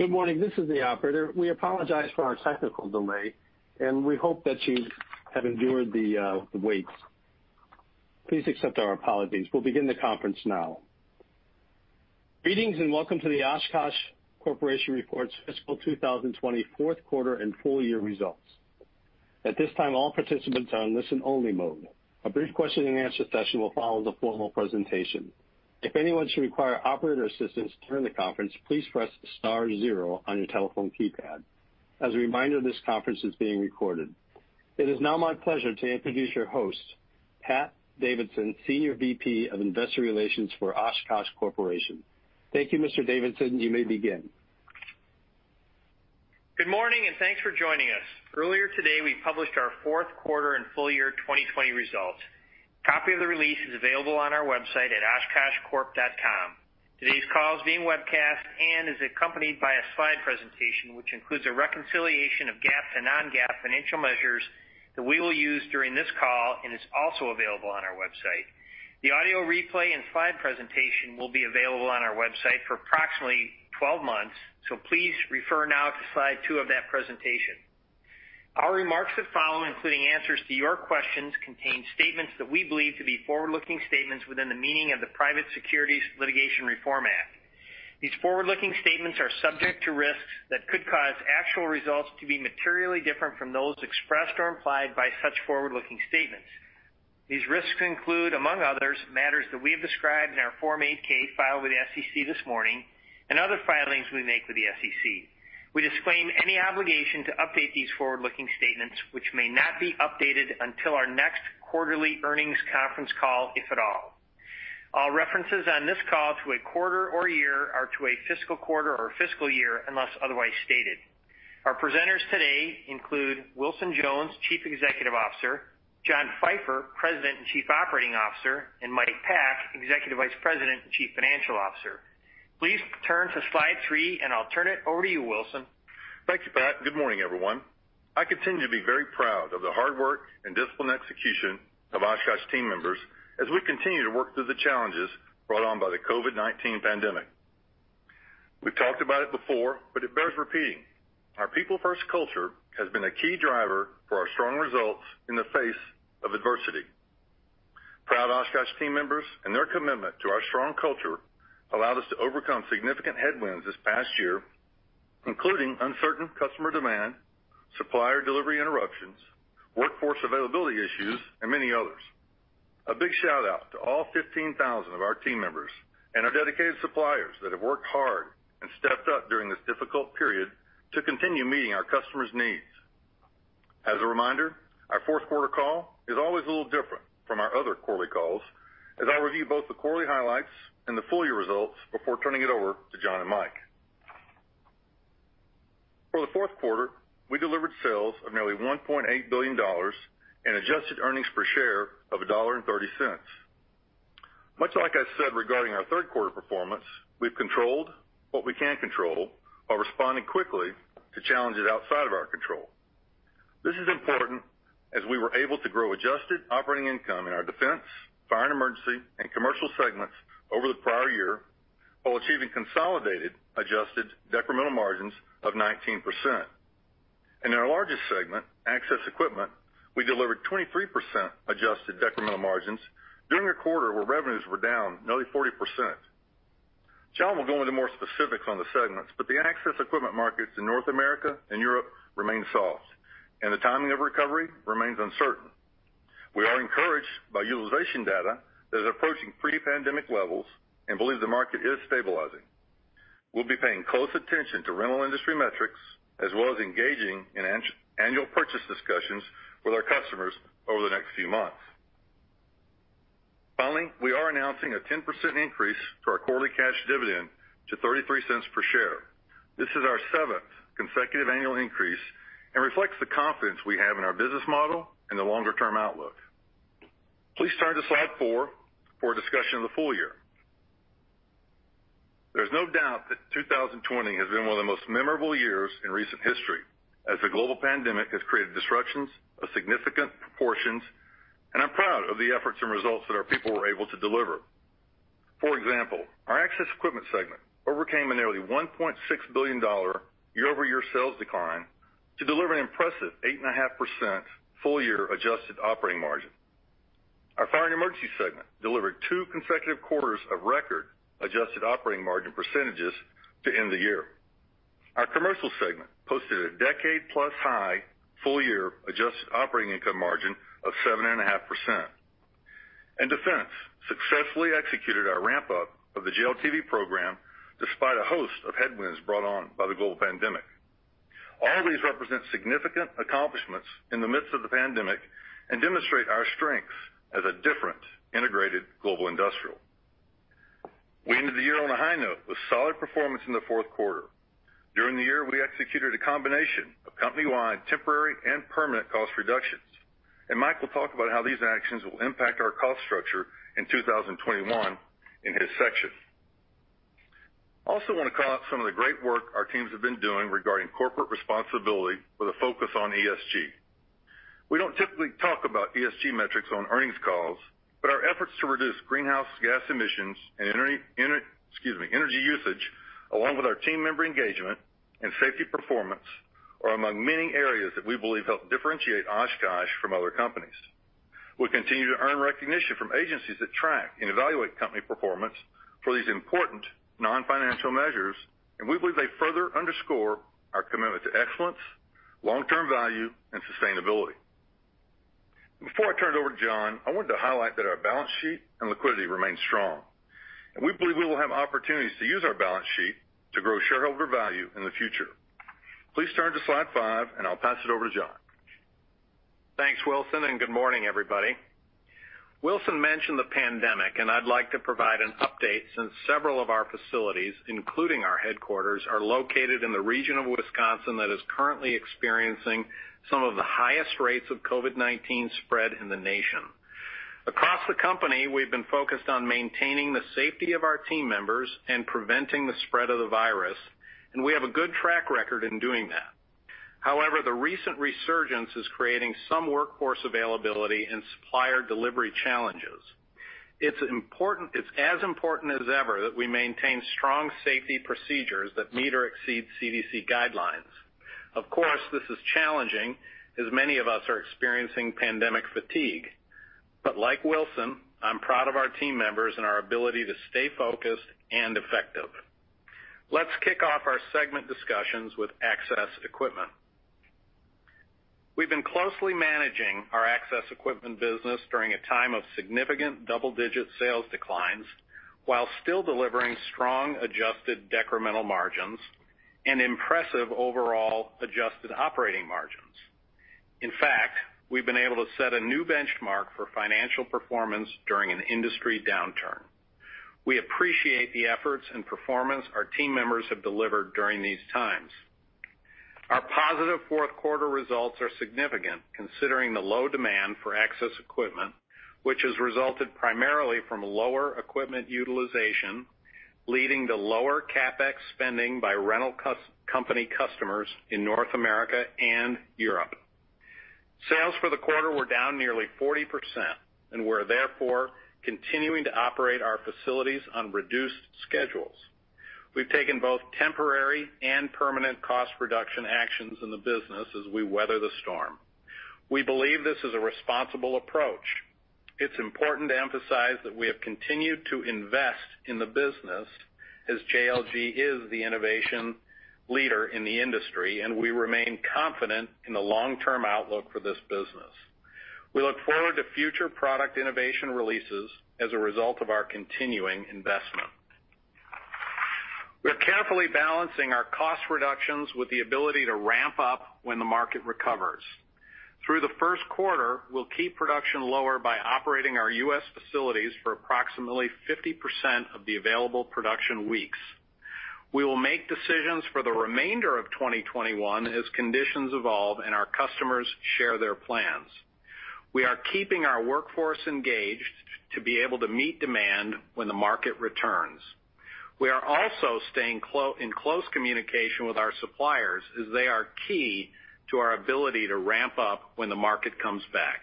Good morning, this is the operator. We apologize for our technical delay, and we hope that you have endured the, the wait. Please accept our apologies. We'll begin the conference now. Greetings and welcome to the Oshkosh Corporation Reports Fiscal 2020 Fourth Quarter and Full Year Results. At this time, all participants are in listen only mode. A brief question and answer session will follow the formal presentation. If anyone should require operator assistance during the conference, please press star zero on your telephone keypad. As a reminder, this conference is being recorded. It is now my pleasure to introduce your host, Pat Davidson, Senior VP of Investor Relations for Oshkosh Corporation. Thank you, Mr. Davidson. You may begin. Good morning, and thanks for joining us. Earlier today, we published our Fourth Quarter and Full Year 2020 Results. Copy of the release is available on our website at oshkoshcorp.com. Today's call is being webcast and is accompanied by a slide presentation, which includes a reconciliation of GAAP to non-GAAP financial measures that we will use during this call and is also available on our website. The audio replay and slide presentation will be available on our website for approximately 12 months, so please refer now to slide 2 of that presentation. Our remarks that follow, including answers to your questions, contain statements that we believe to be forward-looking statements within the meaning of the Private Securities Litigation Reform Act. These forward-looking statements are subject to risks that could cause actual results to be materially different from those expressed or implied by such forward-looking statements. These risks include, among others, matters that we have described in our Form 8-K filed with the SEC this morning and other filings we make with the SEC. We disclaim any obligation to update these forward-looking statements, which may not be updated until our next quarterly earnings conference call, if at all. All references on this call to a quarter or year are to a fiscal quarter or fiscal year, unless otherwise stated. Our presenters today include Wilson Jones, Chief Executive Officer, John Pfeifer, President and Chief Operating Officer, and Mike Pack, Executive Vice President and Chief Financial Officer. Please turn to slide 3, and I'll turn it over to you, Wilson. Thank you, Pat. Good morning, everyone. I continue to be very proud of the hard work and disciplined execution of Oshkosh team members as we continue to work through the challenges brought on by the COVID-19 pandemic. We've talked about it before, but it bears repeating. Our people first culture has been a key driver for our strong results in the face of adversity. Proud Oshkosh team members and their commitment to our strong culture allowed us to overcome significant headwinds this past year, including uncertain customer demand, supplier delivery interruptions, workforce availability issues, and many others. A big shout out to all 15,000 of our team members and our dedicated suppliers that have worked hard and stepped up during this difficult period to continue meeting our customers' needs. As a reminder, our fourth quarter call is always a little different from our other quarterly calls, as I'll review both the quarterly highlights and the full year results before turning it over to John and Mike. For the fourth quarter, we delivered sales of nearly $1.8 billion and adjusted earnings per share of $1.30. Much like I said, regarding our third quarter performance, we've controlled what we can control while responding quickly to challenges outside of our control. This is important as we were able to grow adjusted operating income in our Defense, Fire & Emergency and Commercial segments over the prior year, while achieving consolidated adjusted decremental margins of 19%. In our largest segment, Access Equipment, we delivered 23% adjusted decremental margins during a quarter where revenues were down nearly 40%. John will go into more specifics on the segments, but the Access Equipment markets in North America and Europe remain soft, and the timing of recovery remains uncertain. We are encouraged by utilization data that is approaching pre-pandemic levels and believe the market is stabilizing. We'll be paying close attention to rental industry metrics as well as engaging in annual purchase discussions with our customers over the next few months. Finally, we are announcing a 10% increase to our quarterly cash dividend to $0.33 per share. This is our seventh consecutive annual increase and reflects the confidence we have in our business model and the longer-term outlook. Please turn to slide four for a discussion of the full year. There's no doubt that 2020 has been one of the most memorable years in recent history, as the global pandemic has created disruptions of significant proportions, and I'm proud of the efforts and results that our people were able to deliver. For example, our Access Equipment segment overcame a nearly $1.6 billion year-over-year sales decline to deliver an impressive 8.5% full year adjusted operating margin. Our fire and emergency segment delivered two consecutive quarters of record adjusted operating margin percentages to end the year. Our commercial segment posted a decade-plus high full year adjusted operating income margin of 7.5%, and Defense successfully executed our ramp-up of the JLTV program, despite a host of headwinds brought on by the global pandemic. All these represent significant accomplishments in the midst of the pandemic and demonstrate our strengths as a different integrated global industrial. We ended the year on a high note with solid performance in the fourth quarter. During the year, we executed a combination of company-wide, temporary and permanent cost reductions, and Mike will talk about how these actions will impact our cost structure in 2021 in his section. I also want to call out some of the great work our teams have been doing regarding corporate responsibility with a focus on ESG. We don't typically talk about ESG metrics on earnings calls, but our efforts to reduce greenhouse gas emissions and energy usage, excuse me, along with our team member engagement and safety performance, are among many areas that we believe help differentiate Oshkosh from other companies. We continue to earn recognition from agencies that track and evaluate company performance for these important non-financial measures, and we believe they further underscore our commitment to excellence, long-term value, and sustainability. Before I turn it over to John, I wanted to highlight that our balance sheet and liquidity remain strong, and we believe we will have opportunities to use our balance sheet to grow shareholder value in the future. Please turn to slide five, and I'll pass it over to John. Thanks, Wilson, and good morning, everybody. Wilson mentioned the pandemic, and I'd like to provide an update since several of our facilities, including our headquarters, are located in the region of Wisconsin that is currently experiencing some of the highest rates of COVID-19 spread in the nation. Across the company, we've been focused on maintaining the safety of our team members and preventing the spread of the virus, and we have a good track record in doing that. However, the recent resurgence is creating some workforce availability and supplier delivery challenges. It's as important as ever that we maintain strong safety procedures that meet or exceed CDC guidelines. Of course, this is challenging, as many of us are experiencing pandemic fatigue. But like Wilson, I'm proud of our team members and our ability to stay focused and effective. Let's kick off our segment discussions with Access Equipment. We've been closely managing our Access Equipment business during a time of significant double-digit sales declines, while still delivering strong adjusted decremental margins and impressive overall adjusted operating margins. In fact, we've been able to set a new benchmark for financial performance during an industry downturn. We appreciate the efforts and performance our team members have delivered during these times. Our positive fourth quarter results are significant, considering the low demand for Access Equipment, which has resulted primarily from lower equipment utilization, leading to lower CapEx spending by rental company customers in North America and Europe. Sales for the quarter were down nearly 40% and we're therefore continuing to operate our facilities on reduced schedules. We've taken both temporary and permanent cost reduction actions in the business as we weather the storm. We believe this is a responsible approach. It's important to emphasize that we have continued to invest in the business, as JLG is the innovation leader in the industry, and we remain confident in the long-term outlook for this business. We look forward to future product innovation releases as a result of our continuing investment. We're carefully balancing our cost reductions with the ability to ramp up when the market recovers. Through the first quarter, we'll keep production lower by operating our U.S. facilities for approximately 50% of the available production weeks. We will make decisions for the remainder of 2021 as conditions evolve and our customers share their plans. We are keeping our workforce engaged to be able to meet demand when the market returns. We are also staying in close communication with our suppliers, as they are key to our ability to ramp up when the market comes back.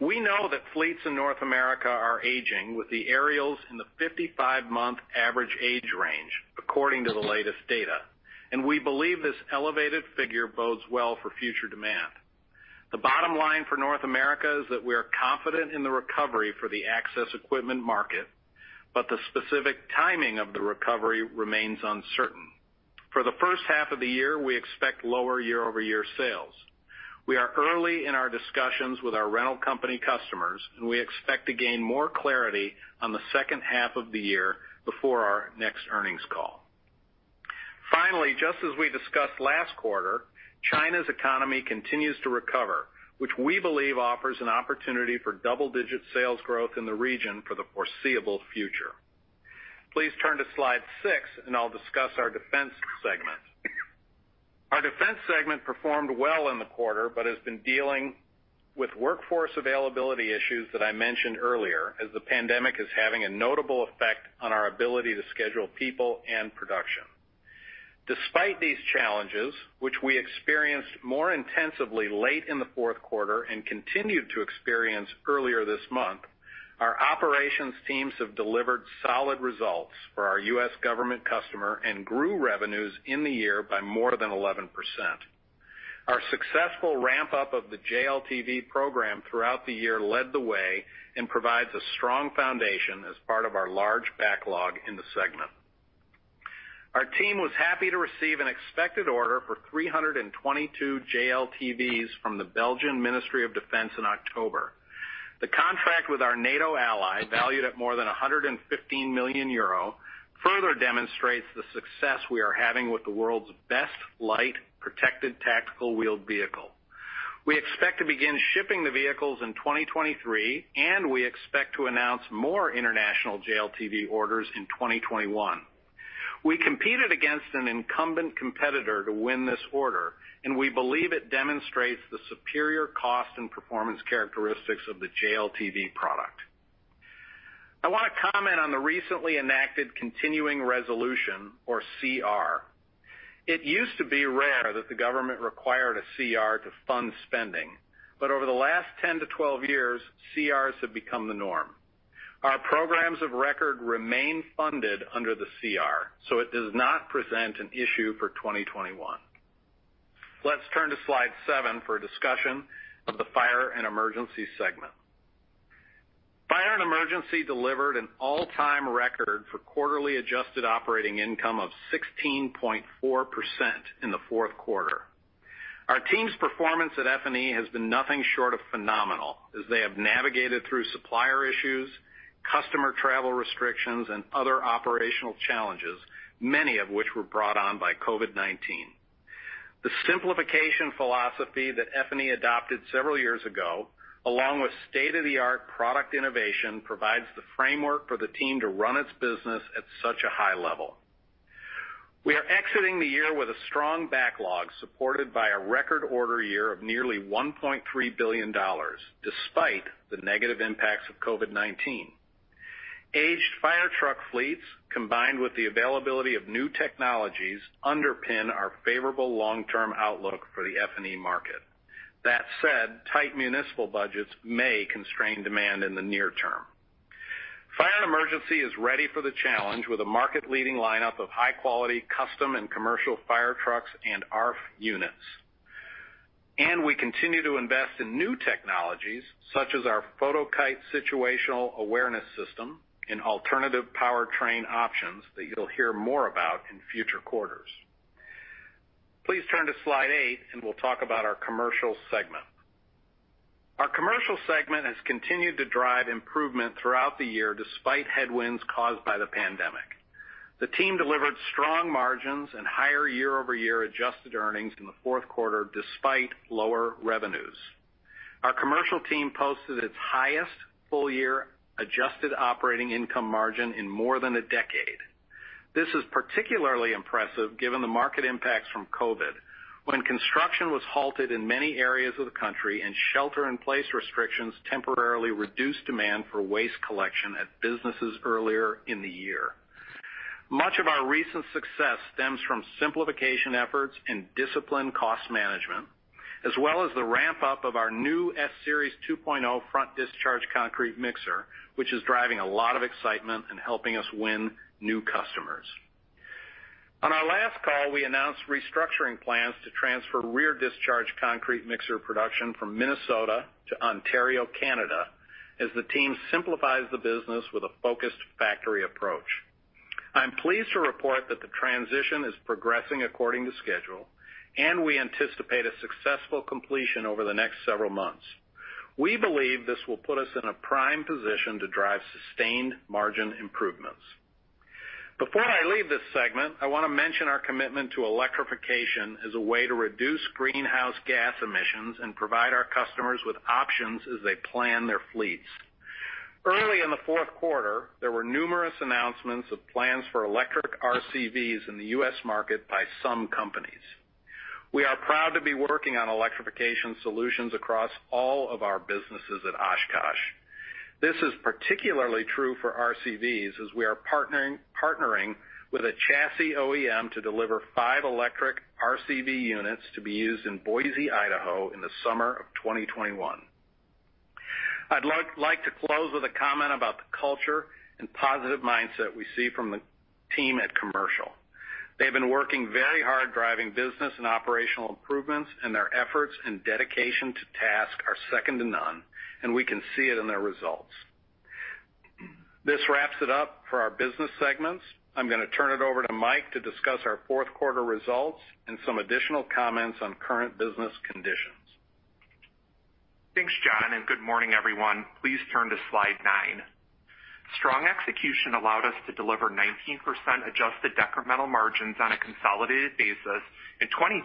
We know that fleets in North America are aging, with the aerials in the 55-month average age range, according to the latest data, and we believe this elevated figure bodes well for future demand. The bottom line for North America is that we are confident in the recovery for the Access Equipment market, but the specific timing of the recovery remains uncertain. For the first half of the year, we expect lower year-over-year sales. We are early in our discussions with our rental company customers, and we expect to gain more clarity on the second half of the year before our next earnings call. Finally, just as we discussed last quarter, China's economy continues to recover, which we believe offers an opportunity for double-digit sales growth in the region for the foreseeable future. Please turn to slide 6, and I'll discuss our defense segment. Our defense segment performed well in the quarter, but has been dealing with workforce availability issues that I mentioned earlier, as the pandemic is having a notable effect on our ability to schedule people and production. Despite these challenges, which we experienced more intensively late in the fourth quarter and continued to experience earlier this month, our operations teams have delivered solid results for our U.S. government customer and grew revenues in the year by more than 11%. Our successful ramp-up of the JLTV program throughout the year led the way and provides a strong foundation as part of our large backlog in the segment. Our team was happy to receive an expected order for 322 JLTVs from the Belgian Ministry of Defense in October. The contract with our NATO ally, valued at more than 115 million euro, further demonstrates the success we are having with the world's best light, protected tactical wheeled vehicle. We expect to begin shipping the vehicles in 2023, and we expect to announce more international JLTV orders in 2021. We competed against an incumbent competitor to win this order, and we believe it demonstrates the superior cost and performance characteristics of the JLTV product... I want to comment on the recently enacted continuing resolution, or CR. It used to be rare that the government required a CR to fund spending, but over the last 10-12 years, CRs have become the norm. Our programs of record remain funded under the CR, so it does not present an issue for 2021. Let's turn to slide 7 for a discussion of the Fire & Emergency segment. Fire & Emergency delivered an all-time record for quarterly adjusted operating income of 16.4% in the fourth quarter. Our team's performance at F&E has been nothing short of phenomenal as they have navigated through supplier issues, customer travel restrictions, and other operational challenges, many of which were brought on by COVID-19. The simplification philosophy that F&E adopted several years ago, along with state-of-the-art product innovation, provides the framework for the team to run its business at such a high level. We are exiting the year with a strong backlog, supported by a record order year of nearly $1.3 billion, despite the negative impacts of COVID-19. Aged fire truck fleets, combined with the availability of new technologies, underpin our favorable long-term outlook for the F&E market. That said, tight municipal budgets may constrain demand in the near term. Fire and Emergency is ready for the challenge with a market-leading lineup of high-quality, custom, and commercial fire trucks and ARFF units. We continue to invest in new technologies, such as our Fotokite Situational Awareness System and alternative powertrain options that you'll hear more about in future quarters. Please turn to slide 8, and we'll talk about our commercial segment. Our commercial segment has continued to drive improvement throughout the year, despite headwinds caused by the pandemic. The team delivered strong margins and higher year-over-year adjusted earnings in the fourth quarter, despite lower revenues. Our commercial team posted its highest full-year adjusted operating income margin in more than a decade. This is particularly impressive given the market impacts from COVID, when construction was halted in many areas of the country and shelter-in-place restrictions temporarily reduced demand for waste collection at businesses earlier in the year. Much of our recent success stems from simplification efforts and disciplined cost management, as well as the ramp-up of our new S-Series 2.0 Front Discharge Concrete Mixer, which is driving a lot of excitement and helping us win new customers. On our last call, we announced restructuring plans to transfer rear discharge concrete mixer production from Minnesota to Ontario, Canada, as the team simplifies the business with a focused factory approach. I'm pleased to report that the transition is progressing according to schedule, and we anticipate a successful completion over the next several months. We believe this will put us in a prime position to drive sustained margin improvements. Before I leave this segment, I want to mention our commitment to electrification as a way to reduce greenhouse gas emissions and provide our customers with options as they plan their fleets. Early in the fourth quarter, there were numerous announcements of plans for electric RCVs in the U.S. market by some companies. We are proud to be working on electrification solutions across all of our businesses at Oshkosh. This is particularly true for RCVs, as we are partnering with a chassis OEM to deliver five electric RCV units to be used in Boise, Idaho, in the summer of 2021. I'd like to close with a comment about the culture and positive mindset we see from the team at Commercial. They've been working very hard, driving business and operational improvements, and their efforts and dedication to task are second to none, and we can see it in their results. This wraps it up for our business segments. I'm going to turn it over to Mike to discuss our fourth quarter results and some additional comments on current business conditions. Thanks, John, and good morning, everyone. Please turn to slide 9. Strong execution allowed us to deliver 19% adjusted decremental margins on a consolidated basis and 23%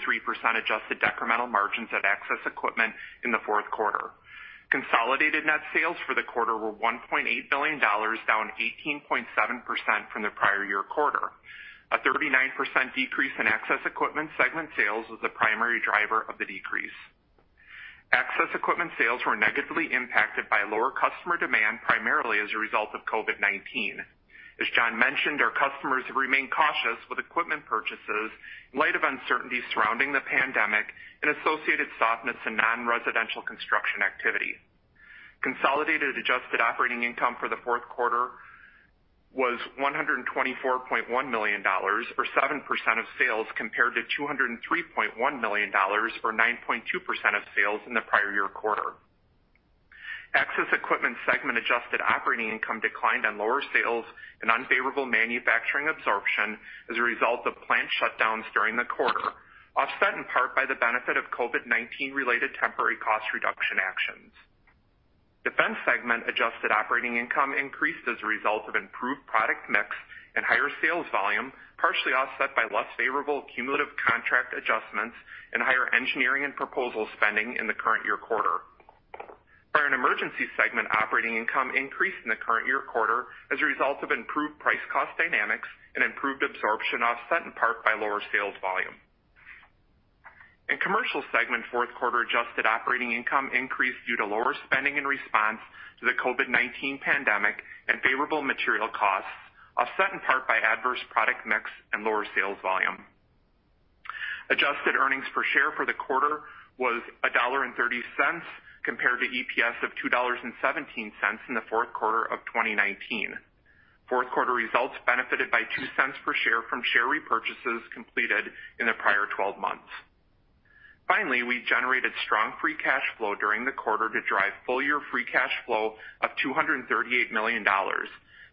adjusted decremental margins at Access Equipment in the fourth quarter. Consolidated net sales for the quarter were $1.8 billion, down 18.7% from the prior year quarter. A 39% decrease in Access Equipment segment sales was the primary driver of the decrease. Access Equipment sales were negatively impacted by lower customer demand, primarily as a result of COVID-19. As John mentioned, our customers have remained cautious with equipment purchases in light of uncertainty surrounding the pandemic and associated softness in non-residential construction activity. Consolidated adjusted operating income for the fourth quarter was $124.1 million, or 7% of sales, compared to $203.1 million, or 9.2% of sales in the prior year quarter. Access Equipment segment adjusted operating income declined on lower sales and unfavorable manufacturing absorption as a result of plant shutdowns during the quarter, offset in part by the benefit of COVID-19-related temporary cost reduction actions. Defense segment adjusted operating income increased as a result of improved product mix and higher sales volume, partially offset by less favorable cumulative contract adjustments and higher engineering and proposal spending in the current year quarter. Fire and Emergency segment operating income increased in the current year quarter as a result of improved price-cost dynamics and improved absorption, offset in part by lower sales volume. In Commercial segment, fourth quarter adjusted operating income increased due to lower spending in response to the COVID-19 pandemic and favorable material costs, offset in part by adverse product mix and lower sales volume. Adjusted earnings per share for the quarter was $1.30, compared to EPS of $2.17 in the fourth quarter of 2019. Fourth quarter results benefited by $0.02 per share from share repurchases completed in the prior 12 months. Finally, we generated strong free cash flow during the quarter to drive full year free cash flow of $238 million.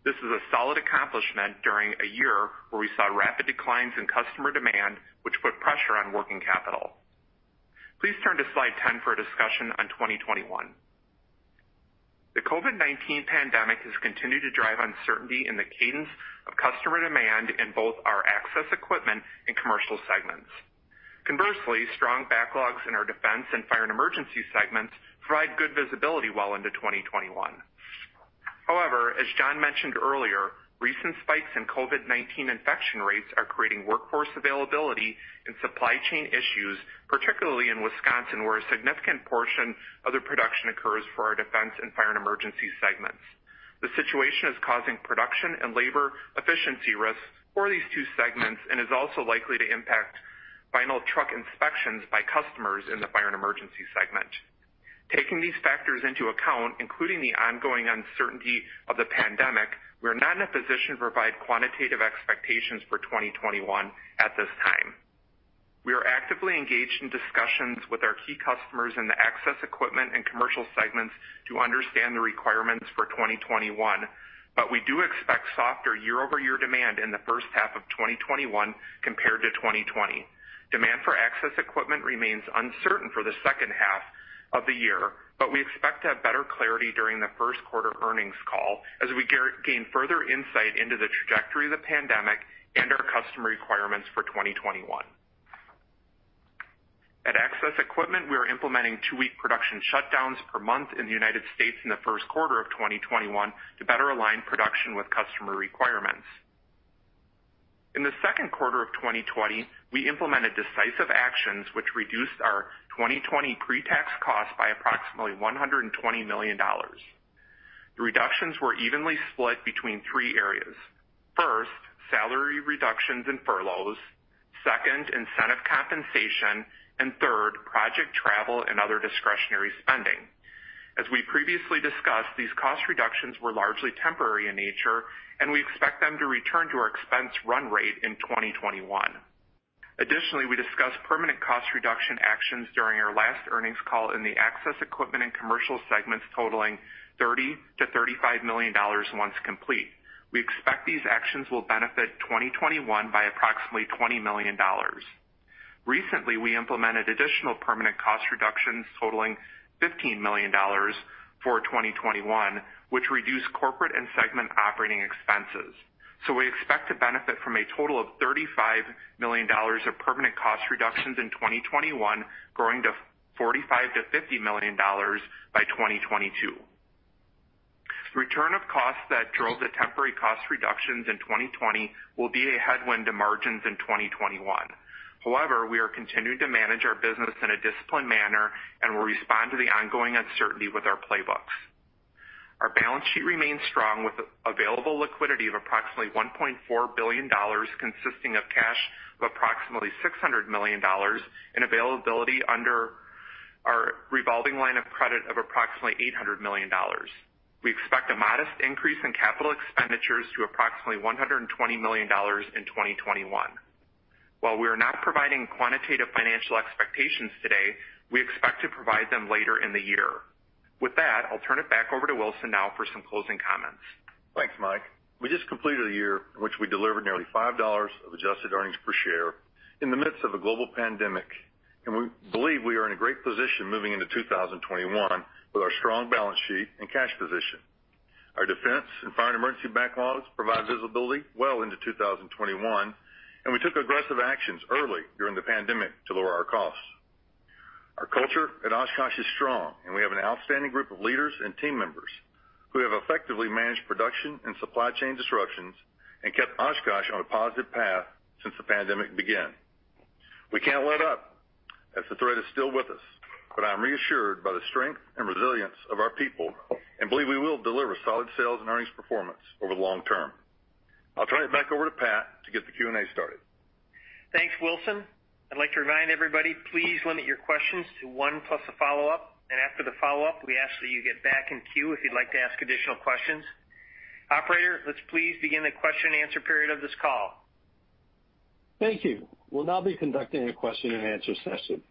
This is a solid accomplishment during a year where we saw rapid declines in customer demand, which put pressure on working capital. Please turn to slide 10 for a discussion on 2021. The COVID-19 pandemic has continued to drive uncertainty in the cadence of customer demand in both our Access Equipment and Commercial segments. Conversely, strong backlogs in our Defense and Fire and Emergency segments provide good visibility well into 2021. However, as John mentioned earlier, recent spikes in COVID-19 infection rates are creating workforce availability and supply chain issues, particularly in Wisconsin, where a significant portion of the production occurs for our Defense and Fire & Emergency segments. The situation is causing production and labor efficiency risks for these two segments, and is also likely to impact final truck inspections by customers in the Fire & Emergency segment. Taking these factors into account, including the ongoing uncertainty of the pandemic, we're not in a position to provide quantitative expectations for 2021 at this time. We are actively engaged in discussions with our key customers in the Access Equipment and Commercial segments to understand the requirements for 2021, but we do expect softer year-over-year demand in the first half of 2021 compared to 2020. Demand for Access Equipment remains uncertain for the second half of the year, but we expect to have better clarity during the first quarter earnings call as we gain further insight into the trajectory of the pandemic and our customer requirements for 2021. At Access Equipment, we are implementing two-week production shutdowns per month in the United States in the first quarter of 2021 to better align production with customer requirements. In the second quarter of 2020, we implemented decisive actions, which reduced our 2020 pre-tax costs by approximately $120 million. The reductions were evenly split between three areas. First, salary reductions and furloughs. Second, incentive compensation. And third, project travel and other discretionary spending. As we previously discussed, these cost reductions were largely temporary in nature, and we expect them to return to our expense run rate in 2021. Additionally, we discussed permanent cost reduction actions during our last earnings call in the Access Equipment and Commercial segments, totaling $30-$35 million once complete. We expect these actions will benefit 2021 by approximately $20 million. Recently, we implemented additional permanent cost reductions totaling $15 million for 2021, which reduced corporate and segment operating expenses. So we expect to benefit from a total of $35 million of permanent cost reductions in 2021, growing to $45-$50 million by 2022. The return of costs that drove the temporary cost reductions in 2020 will be a headwind to margins in 2021. However, we are continuing to manage our business in a disciplined manner and will respond to the ongoing uncertainty with our playbooks. Our balance sheet remains strong, with available liquidity of approximately $1.4 billion, consisting of cash of approximately $600 million, and availability under our revolving line of credit of approximately $800 million. We expect a modest increase in capital expenditures to approximately $120 million in 2021. While we are not providing quantitative financial expectations today, we expect to provide them later in the year. With that, I'll turn it back over to Wilson now for some closing comments. Thanks, Mike. We just completed a year in which we delivered nearly $5 of adjusted earnings per share in the midst of a global pandemic, and we believe we are in a great position moving into 2021 with our strong balance sheet and cash position. Our Defense and Fire & Emergency backlogs provide visibility well into 2021, and we took aggressive actions early during the pandemic to lower our costs. Our culture at Oshkosh is strong, and we have an outstanding group of leaders and team members who have effectively managed production and supply chain disruptions and kept Oshkosh on a positive path since the pandemic began. We can't let up, as the threat is still with us, but I'm reassured by the strength and resilience of our people and believe we will deliver solid sales and earnings performance over the long term. I'll turn it back over to Pat to get the Q&A started. Thanks, Wilson. I'd like to remind everybody, please limit your questions to one plus a follow-up, and after the follow-up, we ask that you get back in queue if you'd like to ask additional questions. Operator, let's please begin the question and answer period of this call. Thank you. We'll now be conducting a question and answer session.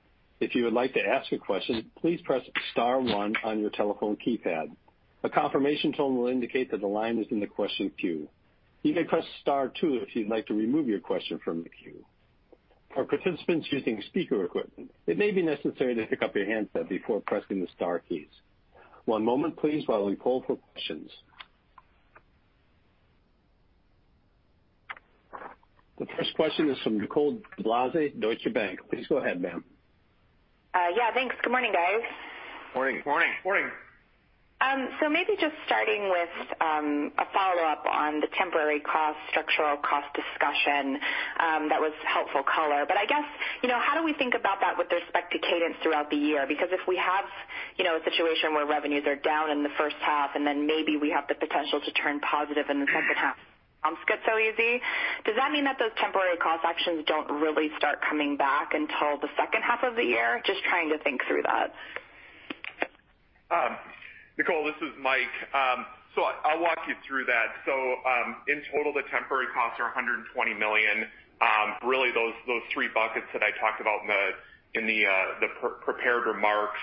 If you would like to ask a question, please press star one on your telephone keypad. A confirmation tone will indicate that the line is in the question queue. You may press star two if you'd like to remove your question from the queue. For participants using speaker equipment, it may be necessary to pick up your handset before pressing the star keys. One moment, please, while we call for questions. The first question is from Nicole DeBlase, Deutsche Bank. Please go ahead, ma'am. Yeah, thanks. Good morning, guys. Morning. Morning. Morning! So maybe just starting with a follow-up on the temporary cost, structural cost discussion that was helpful color. But I guess, you know, how do we think about that with respect to cadence throughout the year? Because if we have, you know, a situation where revenues are down in the first half, and then maybe we have the potential to turn positive in the second half, doesn't get so easy. Does that mean that those temporary cost actions don't really start coming back until the second half of the year? Just trying to think through that. Nicole, this is Mike. So I'll walk you through that. So, in total, the temporary costs are $120 million. Really, those three buckets that I talked about in the pre-prepared remarks,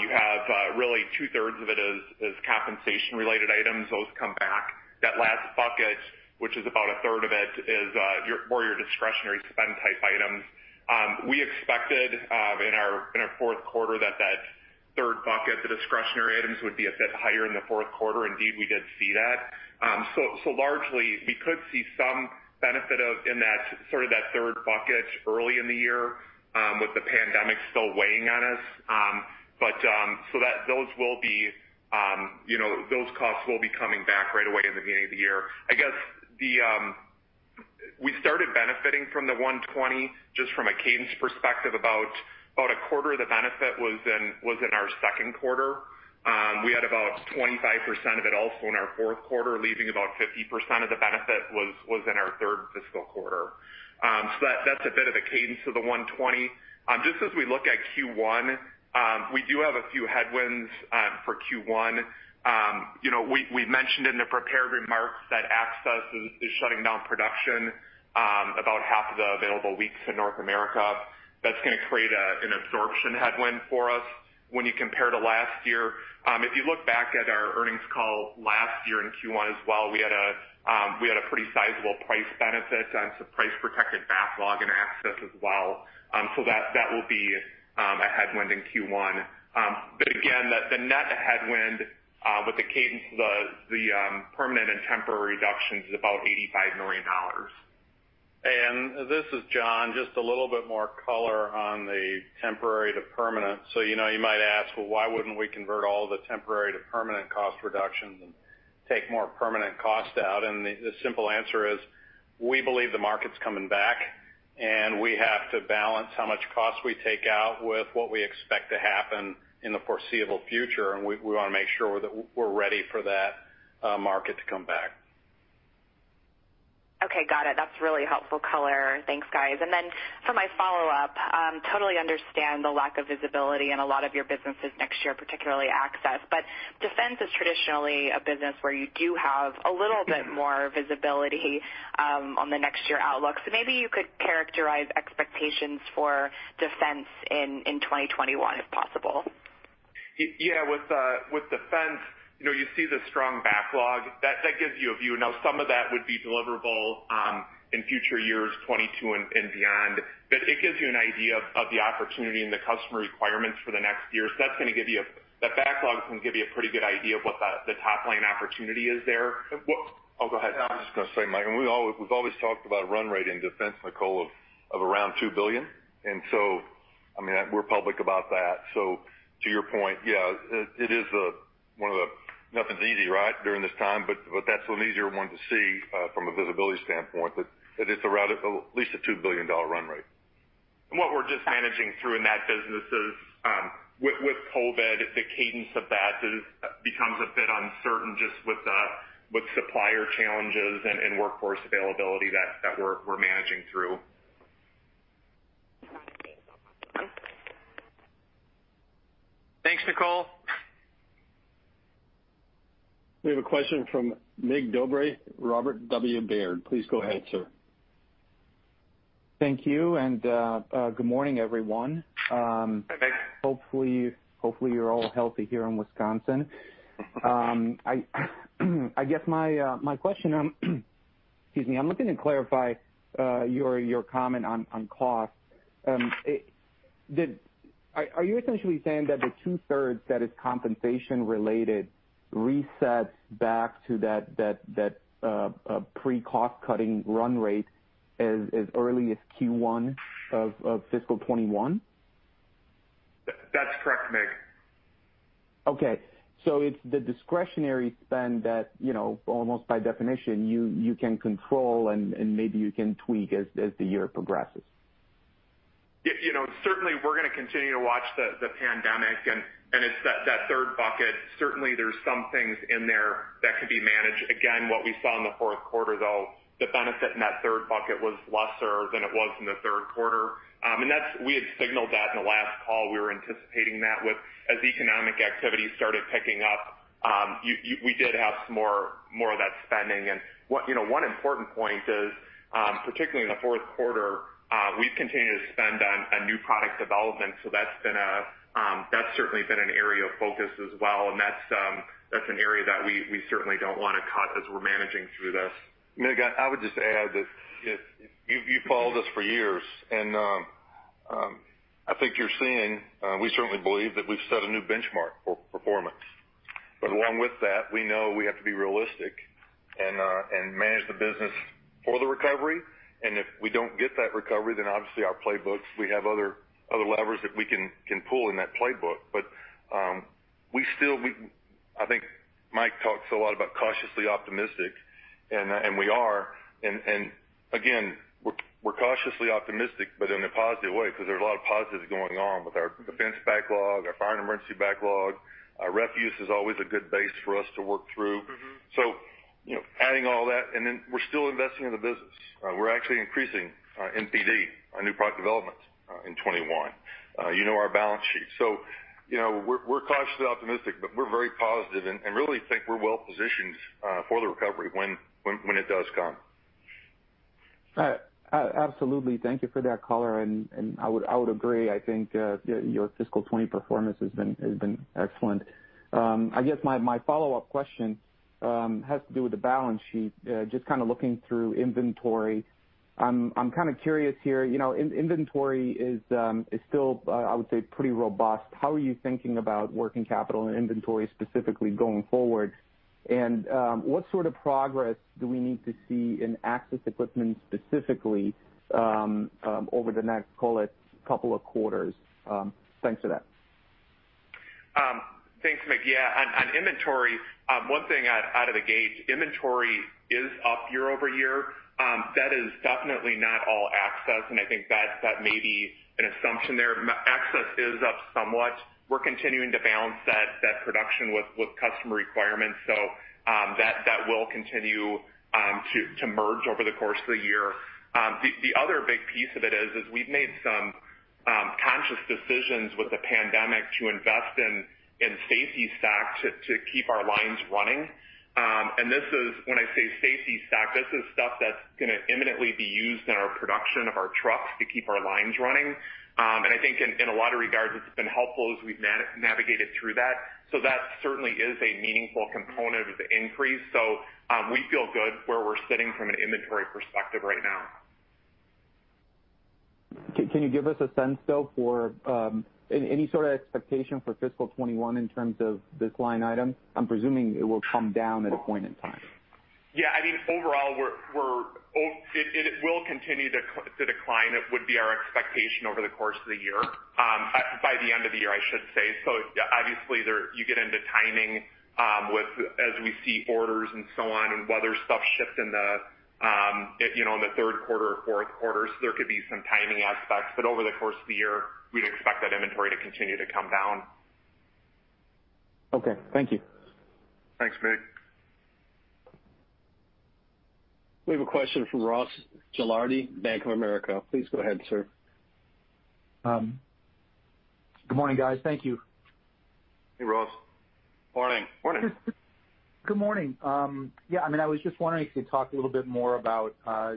you have really two-thirds of it as compensation-related items. Those come back. That last bucket, which is about a third of it, is your more discretionary spend type items. We expected in our fourth quarter that third bucket, the discretionary items, would be a bit higher in the fourth quarter. Indeed, we did see that. So largely, we could see some benefit of in that sort of third bucket early in the year, with the pandemic still weighing on us. So that those will be, you know, those costs will be coming back right away in the beginning of the year. I guess we started benefiting from the $120, just from a cadence perspective, about a quarter of the benefit was in our second quarter. We had about 25% of it also in our fourth quarter, leaving about 50% of the benefit was in our third fiscal quarter. So that's a bit of the cadence to the $120. Just as we look at Q1, we do have a few headwinds for Q1. You know, we've mentioned in the prepared remarks that Access is shutting down production about half of the available weeks in North America. That's gonna create an absorption headwind for us when you compare to last year. If you look back at our earnings call last year in Q1 as well, we had a pretty sizable price benefit on some price protected backlog and access as well. So that will be a headwind in Q1. But again, the net headwind with the cadence of the permanent and temporary reductions is about $85 million. This is John, just a little bit more color on the temporary to permanent. So, you know, you might ask, well, why wouldn't we convert all the temporary to permanent cost reductions and take more permanent costs out? And the simple answer is: we believe the market's coming back, and we have to balance how much cost we take out with what we expect to happen in the foreseeable future, and we wanna make sure that we're ready for that market to come back. Okay, got it. That's really helpful color. Thanks, guys. And then for my follow-up, totally understand the lack of visibility in a lot of your businesses next year, particularly Access. But Defense is traditionally a business where you do have a little bit more visibility, on the next year outlook. So maybe you could characterize expectations for Defense in 2021, if possible. Yeah, with Defense, you know, you see the strong backlog. That gives you a view. Now, some of that would be deliverable in future years, 2022 and beyond, but it gives you an idea of the opportunity and the customer requirements for the next year. So that's gonna give you—That backlog is gonna give you a pretty good idea of what the top-line opportunity is there. What- Oh, go ahead. I was just gonna say, Mike, and we've always, we've always talked about a run rate in Defense, Nicole, of around $2 billion. And so, I mean, we're public about that. So to your point, yeah, it is one of the... Nothing's easy, right, during this time, but that's an easier one to see from a visibility standpoint, that it's around at least a $2 billion run rate. What we're just managing through in that business is, with COVID, the cadence of that becomes a bit uncertain just with the supplier challenges and workforce availability that we're managing through. Thanks, Nicole. We have a question from Mig Dobre, Robert W. Baird. Please go ahead, sir. Thank you, and, good morning, everyone. Hopefully, you're all healthy here in Wisconsin. I guess my question, excuse me. I'm looking to clarify your comment on cost. Are you essentially saying that the two-thirds that is compensation related resets back to that pre-cost cutting run rate as early as Q1 of fiscal 2021? That's correct, Mig. Okay. So it's the discretionary spend that, you know, almost by definition, you can control and maybe you can tweak as the year progresses. You know, certainly we're gonna continue to watch the pandemic, and it's that third bucket. Certainly, there's some things in there that can be managed. Again, what we saw in the fourth quarter, though, the benefit in that third bucket was lesser than it was in the third quarter. We had signaled that in the last call. We were anticipating that with as economic activity started picking up, we did have some more of that spending. And one important point is, you know, particularly in the fourth quarter, we've continued to spend on new product development, so that's been a, that's certainly been an area of focus as well, and that's an area that we certainly don't wanna cut as we're managing through this. Mig, I would just add that if you've followed us for years, and I think you're seeing we certainly believe that we've set a new benchmark for performance. But along with that, we know we have to be realistic and manage the business for the recovery. And if we don't get that recovery, then obviously our playbooks, we have other levers that we can pull in that playbook. But we still, I think Mike talks a lot about cautiously optimistic, and we are. And again, we're cautiously optimistic, but in a positive way, because there's a lot of positives going on with our defense backlog, our fire and emergency backlog. Our refuse is always a good base for us to work through. So, you know, adding all that, and then we're still investing in the business. We're actually increasing our NPD, our new product development, in 2021. You know, our balance sheet. So, you know, we're, we're cautiously optimistic, but we're very positive and, and really think we're well positioned, for the recovery when, when, when it does come. Absolutely. Thank you for that color, and I would agree. I think your fiscal 20 performance has been excellent. I guess my follow-up question has to do with the balance sheet. Just kind of looking through inventory, I'm kind of curious here, you know, inventory is still, I would say, pretty robust. How are you thinking about working capital and inventory specifically going forward? And what sort of progress do we need to see in Access Equipment, specifically, over the next, call it, couple of quarters? Thanks for that. Thanks, Mig. Yeah, on inventory, one thing out of the gate, inventory is up year over year. That is definitely not all access, and I think that may be an assumption there. Access is up somewhat. We're continuing to balance that production with customer requirements. So, that will continue to merge over the course of the year. The other big piece of it is we've made some conscious decisions with the pandemic to invest in safety stock to keep our lines running. And this is, when I say safety stock, this is stuff that's gonna imminently be used in our production of our trucks to keep our lines running. And I think in a lot of regards, it's been helpful as we've navigated through that. So that certainly is a meaningful component of the increase. So, we feel good where we're sitting from an inventory perspective right now. Can you give us a sense, though, for any sort of expectation for fiscal 2021 in terms of this line item? I'm presuming it will come down at a point in time. Yeah, I mean, overall, it will continue to decline. It would be our expectation over the course of the year, by the end of the year, I should say. So obviously, there you get into timing, with as we see orders and so on, and whether stuff shift in the, you know, in the third quarter or fourth quarter. So there could be some timing aspects, but over the course of the year, we'd expect that inventory to continue to come down. Okay, thank you. Thanks, Mig. We have a question from Ross Gilardi, Bank of America. Please go ahead, sir. Good morning, guys. Thank you. Hey, Ross. Morning. Morning. Good morning. Yeah, I mean, I was just wondering if you could talk a little bit more about,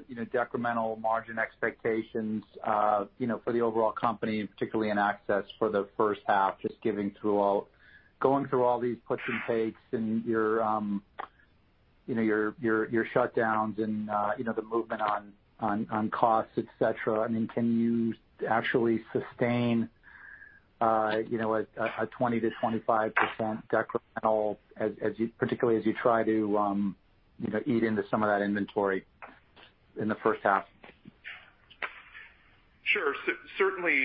you know, decremental margin expectations, you know, for the overall company, particularly in Access for the first half, just going through all these puts and takes and your, you know, your, your, your shutdowns and, you know, the movement on, on, on costs, et cetera. I mean, can you actually sustain, you know, a 20%-25% decremental as you, particularly as you try to, you know, eat into some of that inventory in the first half? Sure. Certainly,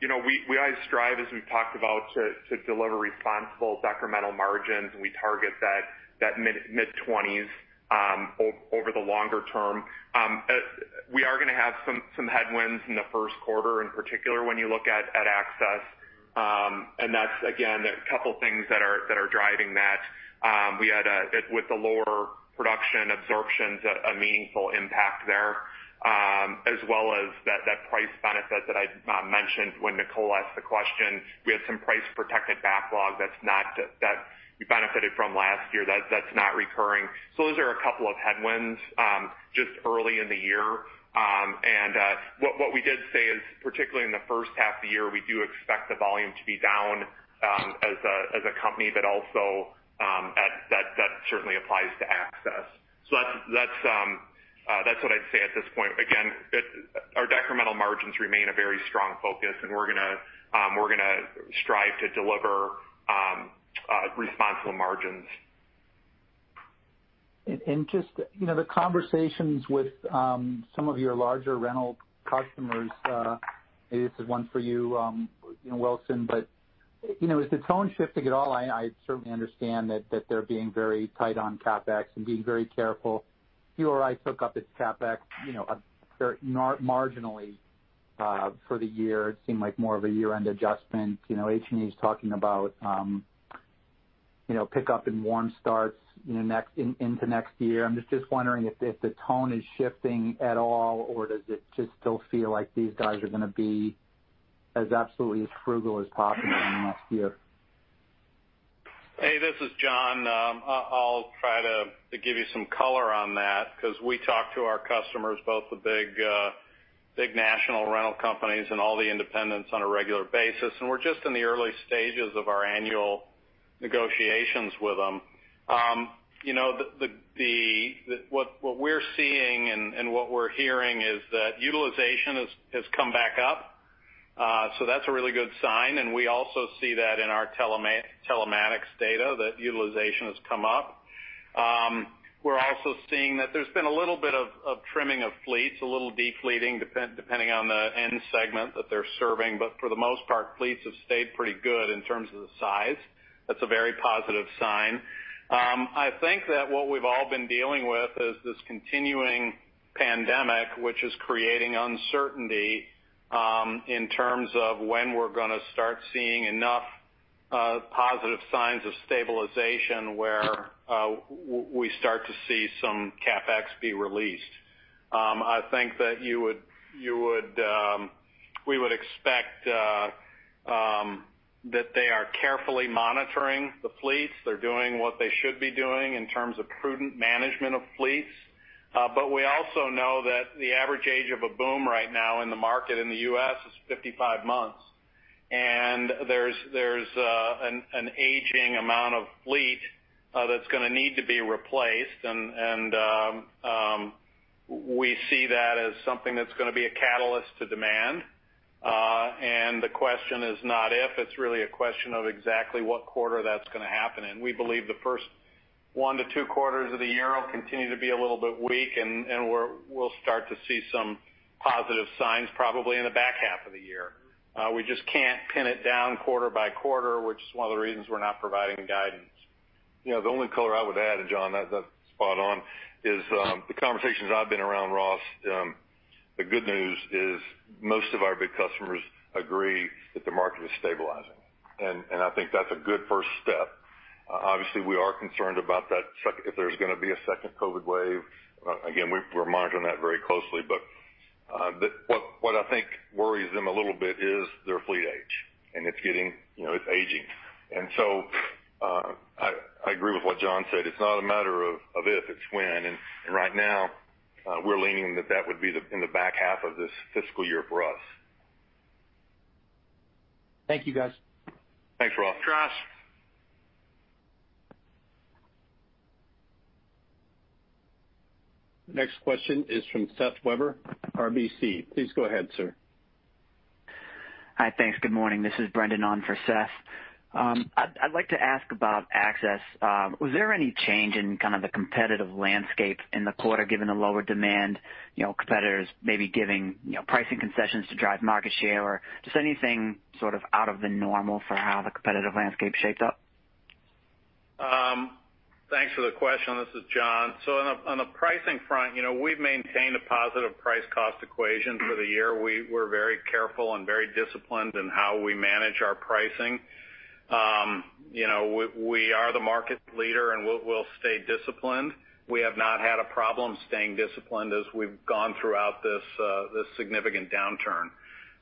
you know, we always strive, as we've talked about, to deliver responsible decremental margins, and we target that mid-20s over the longer term. We are gonna have some headwinds in the first quarter, in particular, when you look at Access. And that's, again, a couple things that are driving that. We had, with the lower production absorptions, a meaningful impact there, as well as that price benefit that I mentioned when Nicole asked the question. We had some price-protected backlog that's not, that we benefited from last year. That's not recurring. So those are a couple of headwinds, just early in the year. And, what we did say is, particularly in the first half of the year, we do expect the volume to be down, as a company, but also, that certainly applies to Access. So that's what I'd say at this point. Again, our decremental margins remain a very strong focus, and we're gonna strive to deliver responsible margins. Just, you know, the conversations with some of your larger rental customers. This is one for you, you know, Wilson. But, you know, is the tone shifting at all? I certainly understand that they're being very tight on CapEx and being very careful. URI took up its CapEx, you know, very marginally for the year. It seemed like more of a year-end adjustment. You know, H&E's talking about, you know, pick up in warm starts, you know, into next year. I'm just wondering if the tone is shifting at all, or does it just still feel like these guys are gonna be as absolutely as frugal as possible in the next year? Hey, this is John. I'll try to give you some color on that because we talk to our customers, both the big national rental companies and all the independents on a regular basis, and we're just in the early stages of our annual negotiations with them. You know, what we're seeing and what we're hearing is that utilization has come back up. So that's a really good sign, and we also see that in our telematics data, that utilization has come up. We're also seeing that there's been a little bit of trimming of fleets, a little de-fleeting, depending on the end segment that they're serving. But for the most part, fleets have stayed pretty good in terms of the size. That's a very positive sign. I think that what we've all been dealing with is this continuing pandemic, which is creating uncertainty in terms of when we're gonna start seeing enough positive signs of stabilization where we start to see some CapEx be released. I think that we would expect that they are carefully monitoring the fleets. They're doing what they should be doing in terms of prudent management of fleets. But we also know that the average age of a boom right now in the market in the U.S. is 55 months, and there's an aging amount of fleet that's gonna need to be replaced. We see that as something that's gonna be a catalyst to demand. And the question is not if. It's really a question of exactly what quarter that's gonna happen in. We believe the first 1-2 quarters of the year will continue to be a little bit weak, and we'll start to see some positive signs probably in the back half of the year. We just can't pin it down quarter by quarter, which is one of the reasons we're not providing the guidance. You know, the only color I would add, and John, that, that's spot on, is the conversations I've been around Ross. The good news is most of our big customers agree that the market is stabilizing, and I think that's a good first step. Obviously, we are concerned about that second if there's gonna be a second COVID wave. Again, we're monitoring that very closely. But, what I think worries them a little bit is their fleet age, and it's getting... You know, it's aging. And so, I agree with what John said. It's not a matter of if, it's when. And right now, we're leaning that that would be in the back half of this fiscal year for us. Thank you, guys. Thanks, Ross. Next question is from Seth Weber, RBC. Please go ahead, sir. Hi. Thanks. Good morning. This is Brendan on for Seth. I'd like to ask about access. Was there any change in kind of the competitive landscape in the quarter, given the lower demand, you know, competitors maybe giving, you know, pricing concessions to drive market share? Or just anything sort of out of the normal for how the competitive landscape shaped up? Thanks for the question. This is John. So on the pricing front, you know, we've maintained a positive price-cost equation for the year. We're very careful and very disciplined in how we manage our pricing. You know, we are the market leader, and we'll stay disciplined. We have not had a problem staying disciplined as we've gone throughout this significant downturn.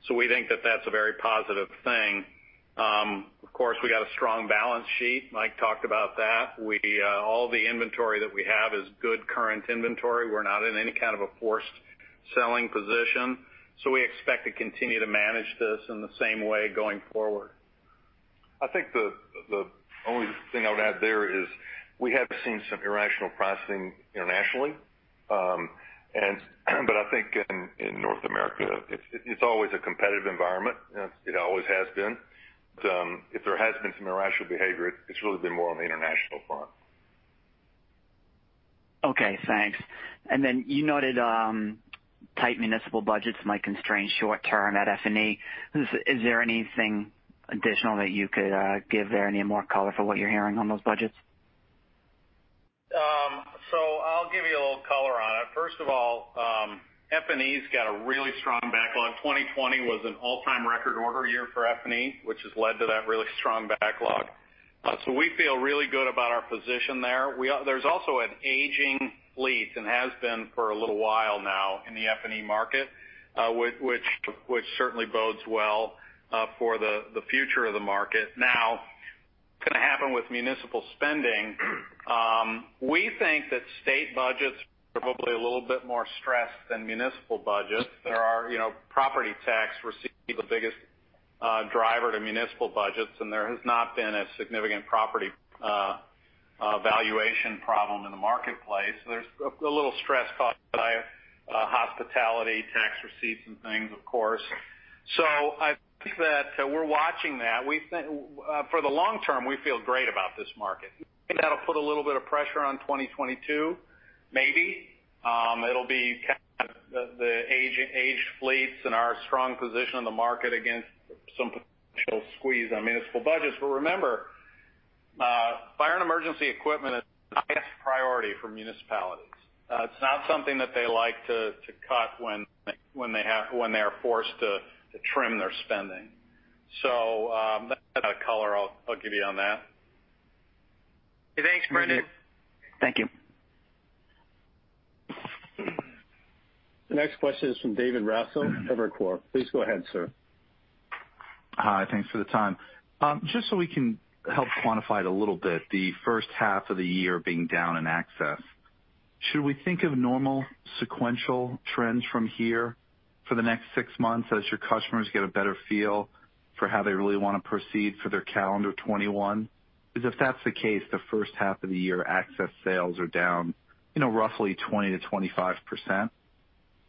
So we think that that's a very positive thing. Of course, we got a strong balance sheet. Mike talked about that. All the inventory that we have is good current inventory. We're not in any kind of a forced selling position, so we expect to continue to manage this in the same way going forward. I think the only thing I would add there is we have seen some irrational pricing internationally. But I think in North America, it's always a competitive environment, and it always has been. But if there has been some irrational behavior, it's really been more on the international front. Okay, thanks. And then you noted tight municipal budgets might constrain short-term at F&E. Is there anything additional that you could give there, any more color for what you're hearing on those budgets? So I'll give you a little color on it. First of all, F&E's got a really strong backlog. 2020 was an all-time record order year for F&E, which has led to that really strong backlog. So we feel really good about our position there. There's also an aging fleet, and has been for a little while now in the F&E market, which certainly bodes well for the future of the market. Now, gonna happen with municipal spending, we think that state budgets are probably a little bit more stressed than municipal budgets. There are, you know, property tax receive the biggest driver to municipal budgets, and there has not been a significant property valuation problem in the marketplace. There's a little stress caused by hospitality tax receipts and things, of course. So I think that we're watching that. We think, for the long term, we feel great about this market. That'll put a little bit of pressure on 2022, maybe. It'll be kind of the aging-aged fleets and our strong position in the market against some potential squeeze on municipal budgets. But remember, fire and emergency equipment is the highest priority for municipalities. It's not something that they like to cut when they are forced to trim their spending. So, that's the kind of color I'll give you on that. Thanks, Brendan. Thank you. The next question is from David Raso, Evercore. Please go ahead, sir. Hi, thanks for the time. Just so we can help quantify it a little bit, the first half of the year being down in access, should we think of normal sequential trends from here for the next six months as your customers get a better feel for how they really want to proceed for their calendar 2021, because if that's the case, the first half of the year, access sales are down, you know, roughly 20%-25%.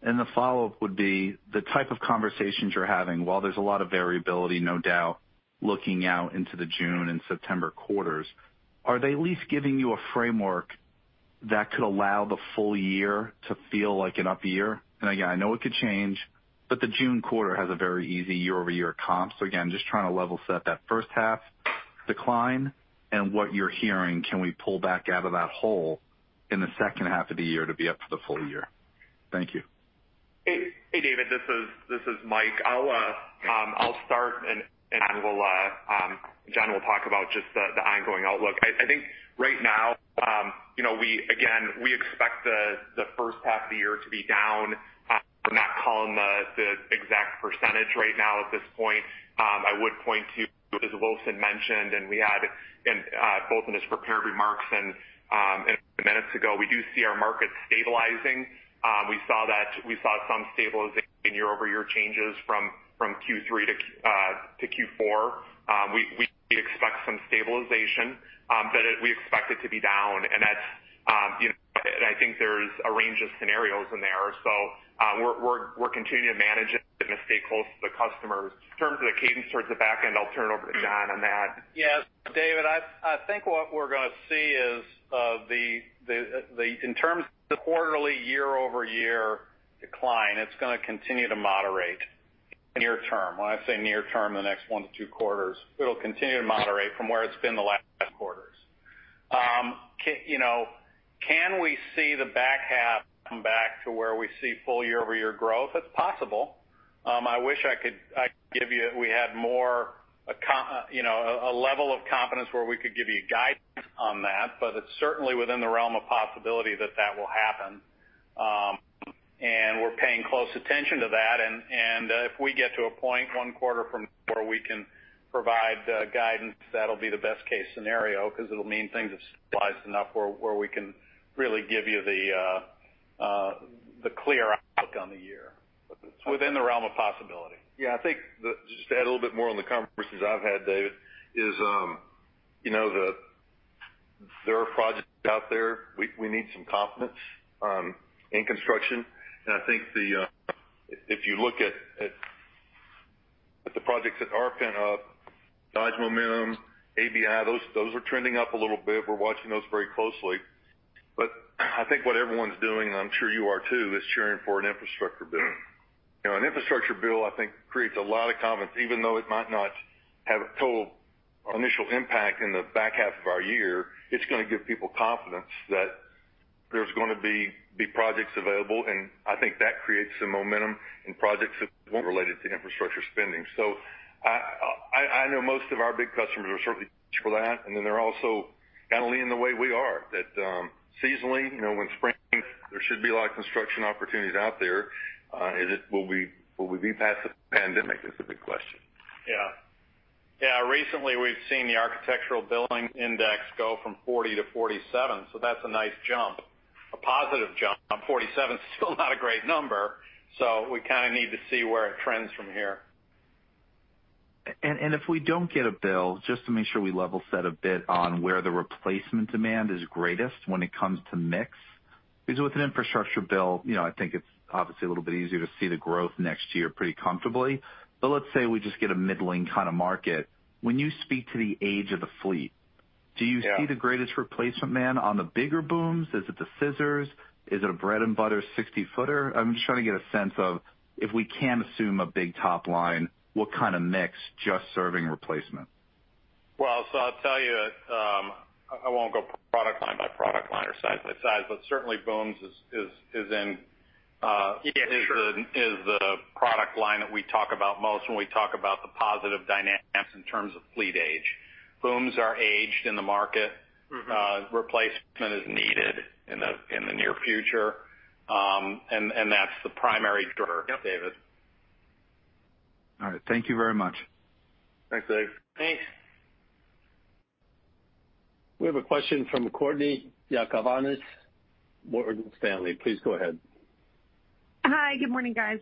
The follow-up would be the type of conversations you're having, while there's a lot of variability, no doubt, looking out into the June and September quarters, are they at least giving you a framework that could allow the full year to feel like an up year? Again, I know it could change, but the June quarter has a very easy year-over-year comp. So again, just trying to level set that first half decline and what you're hearing, can we pull back out of that hole in the second half of the year to be up for the full year? Thank you. Hey, David, this is Mike. I'll start and John will talk about just the ongoing outlook. I think right now, you know, we again expect the first half of the year to be down. I'm not calling the exact percentage right now at this point. I would point to, as Wilson mentioned, and we had both in his prepared remarks and minutes ago, we do see our market stabilizing. We saw some stabilization in year-over-year changes from Q3 to Q4. We expect some stabilization, but we expect it to be down, and that's, you know, and I think there's a range of scenarios in there. So, we're continuing to manage it and stay close to the customers. In terms of the cadence towards the back end, I'll turn it over to John on that. Yes, David, I think what we're gonna see is, in terms of the quarterly year-over-year decline, it's gonna continue to moderate near term. When I say near term, the next one to two quarters, it'll continue to moderate from where it's been the last quarters. You know, can we see the back half come back to where we see full year-over-year growth? It's possible. I wish I could give you—we had more, you know, a level of confidence where we could give you guidance on that, but it's certainly within the realm of possibility that that will happen. And we're paying close attention to that, and if we get to a point one quarter from quarter, we can provide guidance, that'll be the best case scenario, 'cause it'll mean things have stabilized enough where we can really give you the clear outlook on the year. Within the realm of possibility. Yeah, I think. Just to add a little bit more on the conversations I've had, David, is, you know, there are projects out there. We need some confidence in construction. And I think if you look at the projects that are pent up, Dodge Momentum, ABI, those are trending up a little bit. We're watching those very closely. But I think what everyone's doing, and I'm sure you are too, is cheering for an infrastructure bill. You know, an infrastructure bill, I think, creates a lot of confidence. Even though it might not have a total initial impact in the back half of our year, it's gonna give people confidence that there's gonna be projects available, and I think that creates some momentum in projects that won't related to infrastructure spending. So I know most of our big customers are certainly for that, and then they're also kind of leaning the way we are, that seasonally, you know, when spring, there should be a lot of construction opportunities out there. Will we be past the pandemic is the big question. Yeah, recently we've seen the Architectural Billings Index go from 40 to 47, so that's a nice jump, a positive jump. 47 is still not a great number, so we kinda need to see where it trends from here. And if we don't get a bill, just to make sure we level set a bit on where the replacement demand is greatest when it comes to mix, because with an infrastructure bill, you know, I think it's obviously a little bit easier to see the growth next year pretty comfortably. But let's say we just get a middling kind of market. When you speak to the age of the fleet, do you see the greatest replacement demand on the bigger booms? Is it the scissors? Is it a bread and butter 60-footer? I'm just trying to get a sense of if we can assume a big top line, what kind of mix, just serving replacement. Well, so I'll tell you, I won't go product line by product line or size by size, but certainly booms is in the product line that we talk about most when we talk about the positive dynamics in terms of fleet age. Booms are aged in the market. Replacement is needed in the near future, and that's the primary driver, David. All right. Thank you very much. Thanks, Dave. Thanks. We have a question from Courtney Yakavonis, Morgan Stanley. Please go ahead. Hi, good morning, guys.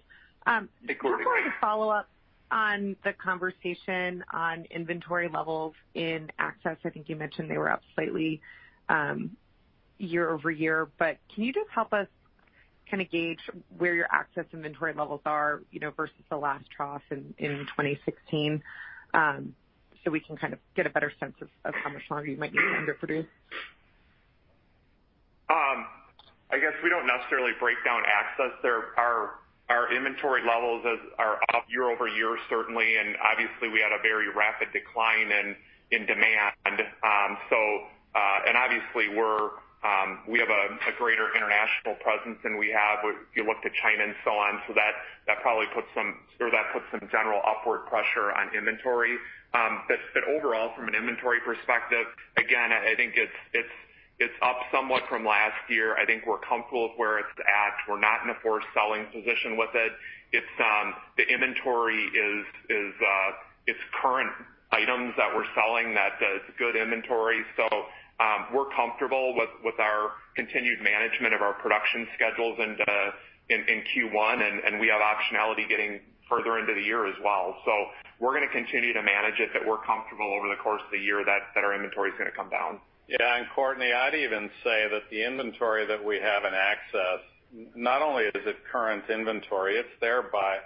Hey, Courtney. I'd like to follow up on the conversation on inventory levels in Access. I think you mentioned they were up slightly, year over year, but can you just help us kind of gauge where your access inventory levels are, you know, versus the last trough in 2016, so we can kind of get a better sense of how much longer you might need to underproduce? I guess we don't necessarily break down Access. There, our inventory levels are up year over year, certainly, and obviously, we had a very rapid decline in demand. And obviously, we have a greater international presence than we have if you looked at China and so on. So that probably puts some general upward pressure on inventory. But overall, from an inventory perspective, again, I think it's up somewhat from last year. I think we're comfortable with where it's at. We're not in a forced selling position with it. The inventory is current items that we're selling that is good inventory. So, we're comfortable with our continued management of our production schedules and in Q1, and we have optionality getting further into the year as well. So we're gonna continue to manage it, but we're comfortable over the course of the year that our inventory is gonna come down. Yeah, and Courtney, I'd even say that the inventory that we have in Access, not only is it current inventory, it's there by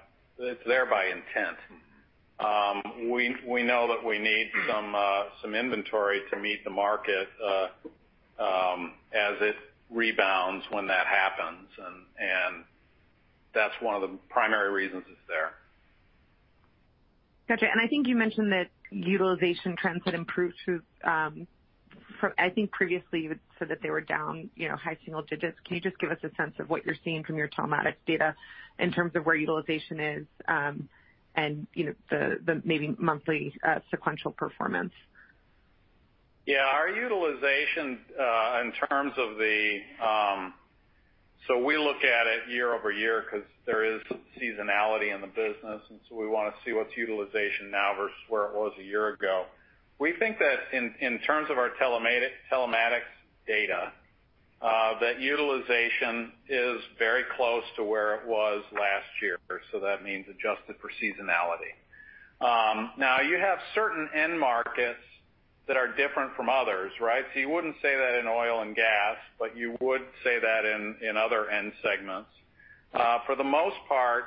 intent. We know that we need some inventory to meet the market as it rebounds when that happens, and that's one of the primary reasons it's there. Gotcha. I think you mentioned that utilization trends had improved through from I think previously you had said that they were down, you know, high single digits. Can you just give us a sense of what you're seeing from your telematics data in terms of where utilization is, and, you know, the maybe monthly sequential performance? Yeah, our utilization in terms of the so we look at it year-over-year because there is seasonality in the business, and so we want to see what's utilization now versus where it was a year ago. We think that in terms of our telematics data that utilization is very close to where it was last year, so that means adjusted for seasonality. Now you have certain end markets that are different from others, right? So you wouldn't say that in oil and gas, but you would say that in other end segments. For the most part,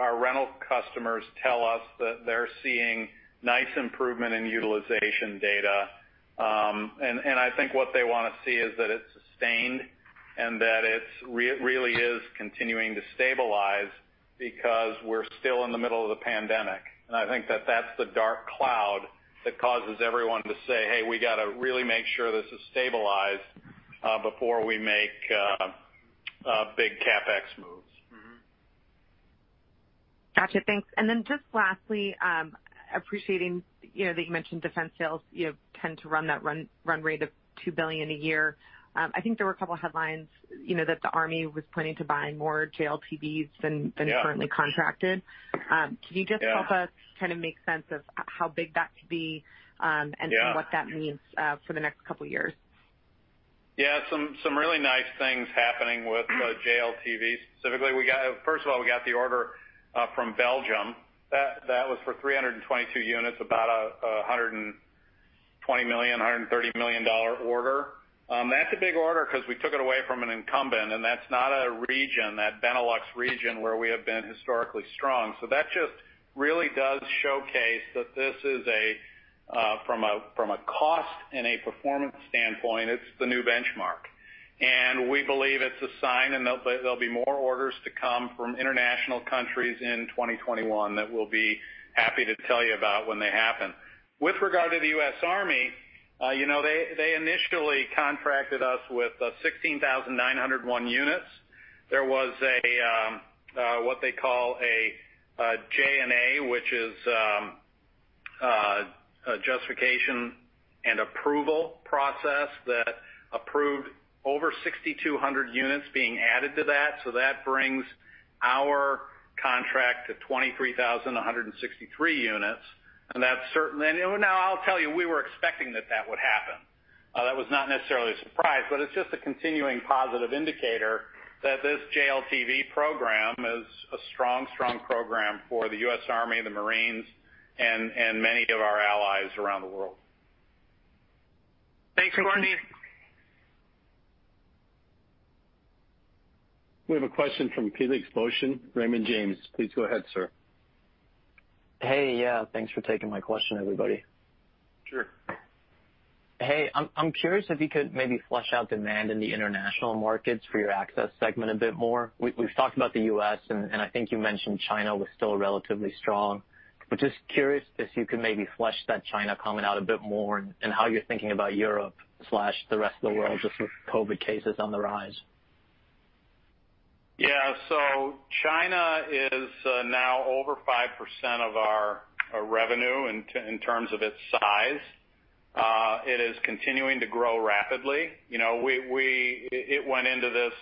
our rental customers tell us that they're seeing nice improvement in utilization data. And I think what they want to see is that it's sustained and that it's really continuing to stabilize because we're still in the middle of the pandemic. And I think that that's the dark cloud that causes everyone to say, "Hey, we got to really make sure this is stabilized, before we make big CapEx moves. Gotcha, thanks. And then just lastly, appreciating, you know, that you mentioned defense sales, you know, tend to run that run rate of $2 billion a year. I think there were a couple of headlines, you know, that the army was planning to buy more JLTVs than currently contracted. Can you just help us kind of make sense of how big that could be, and what that means, for the next couple of years? Yeah, some really nice things happening with the JLTVs. Specifically, we got—First of all, we got the order from Belgium. That was for 322 units, about a $120 million-$130 million dollar order. That's a big order because we took it away from an incumbent, and that's not a region, that Benelux region, where we have been historically strong. So that just really does showcase that this is a from a cost and a performance standpoint, it's the new benchmark. And we believe it's a sign, and there'll be more orders to come from international countries in 2021 that we'll be happy to tell you about when they happen. With regard to the U.S. Army, you know, they, they initially contracted us with 16,901 units. There was a, what they call a, J&A, which is, a justification and approval process that approved over 6,200 units being added to that. So that brings our contract to 23,163 units, and that's certainly... And now I'll tell you, we were expecting that that would happen. That was not necessarily a surprise, but it's just a continuing positive indicator that this JLTV program is a strong, strong program for the U.S. Army, the Marines, and, and many of our allies around the world. Thanks, Courtney. We have a question from Felix Boeschen, Raymond James. Please go ahead, sir. Hey, yeah, thanks for taking my question, everybody. Sure. Hey, I'm curious if you could maybe flesh out demand in the international markets for your access segment a bit more. We've talked about the U.S., and I think you mentioned China was still relatively strong. But just curious if you could maybe flesh that China comment out a bit more and how you're thinking about Europe/the rest of the world, just with COVID cases on the rise. Yeah. So China is now over 5% of our revenue in terms of its size. It is continuing to grow rapidly. You know, it went into this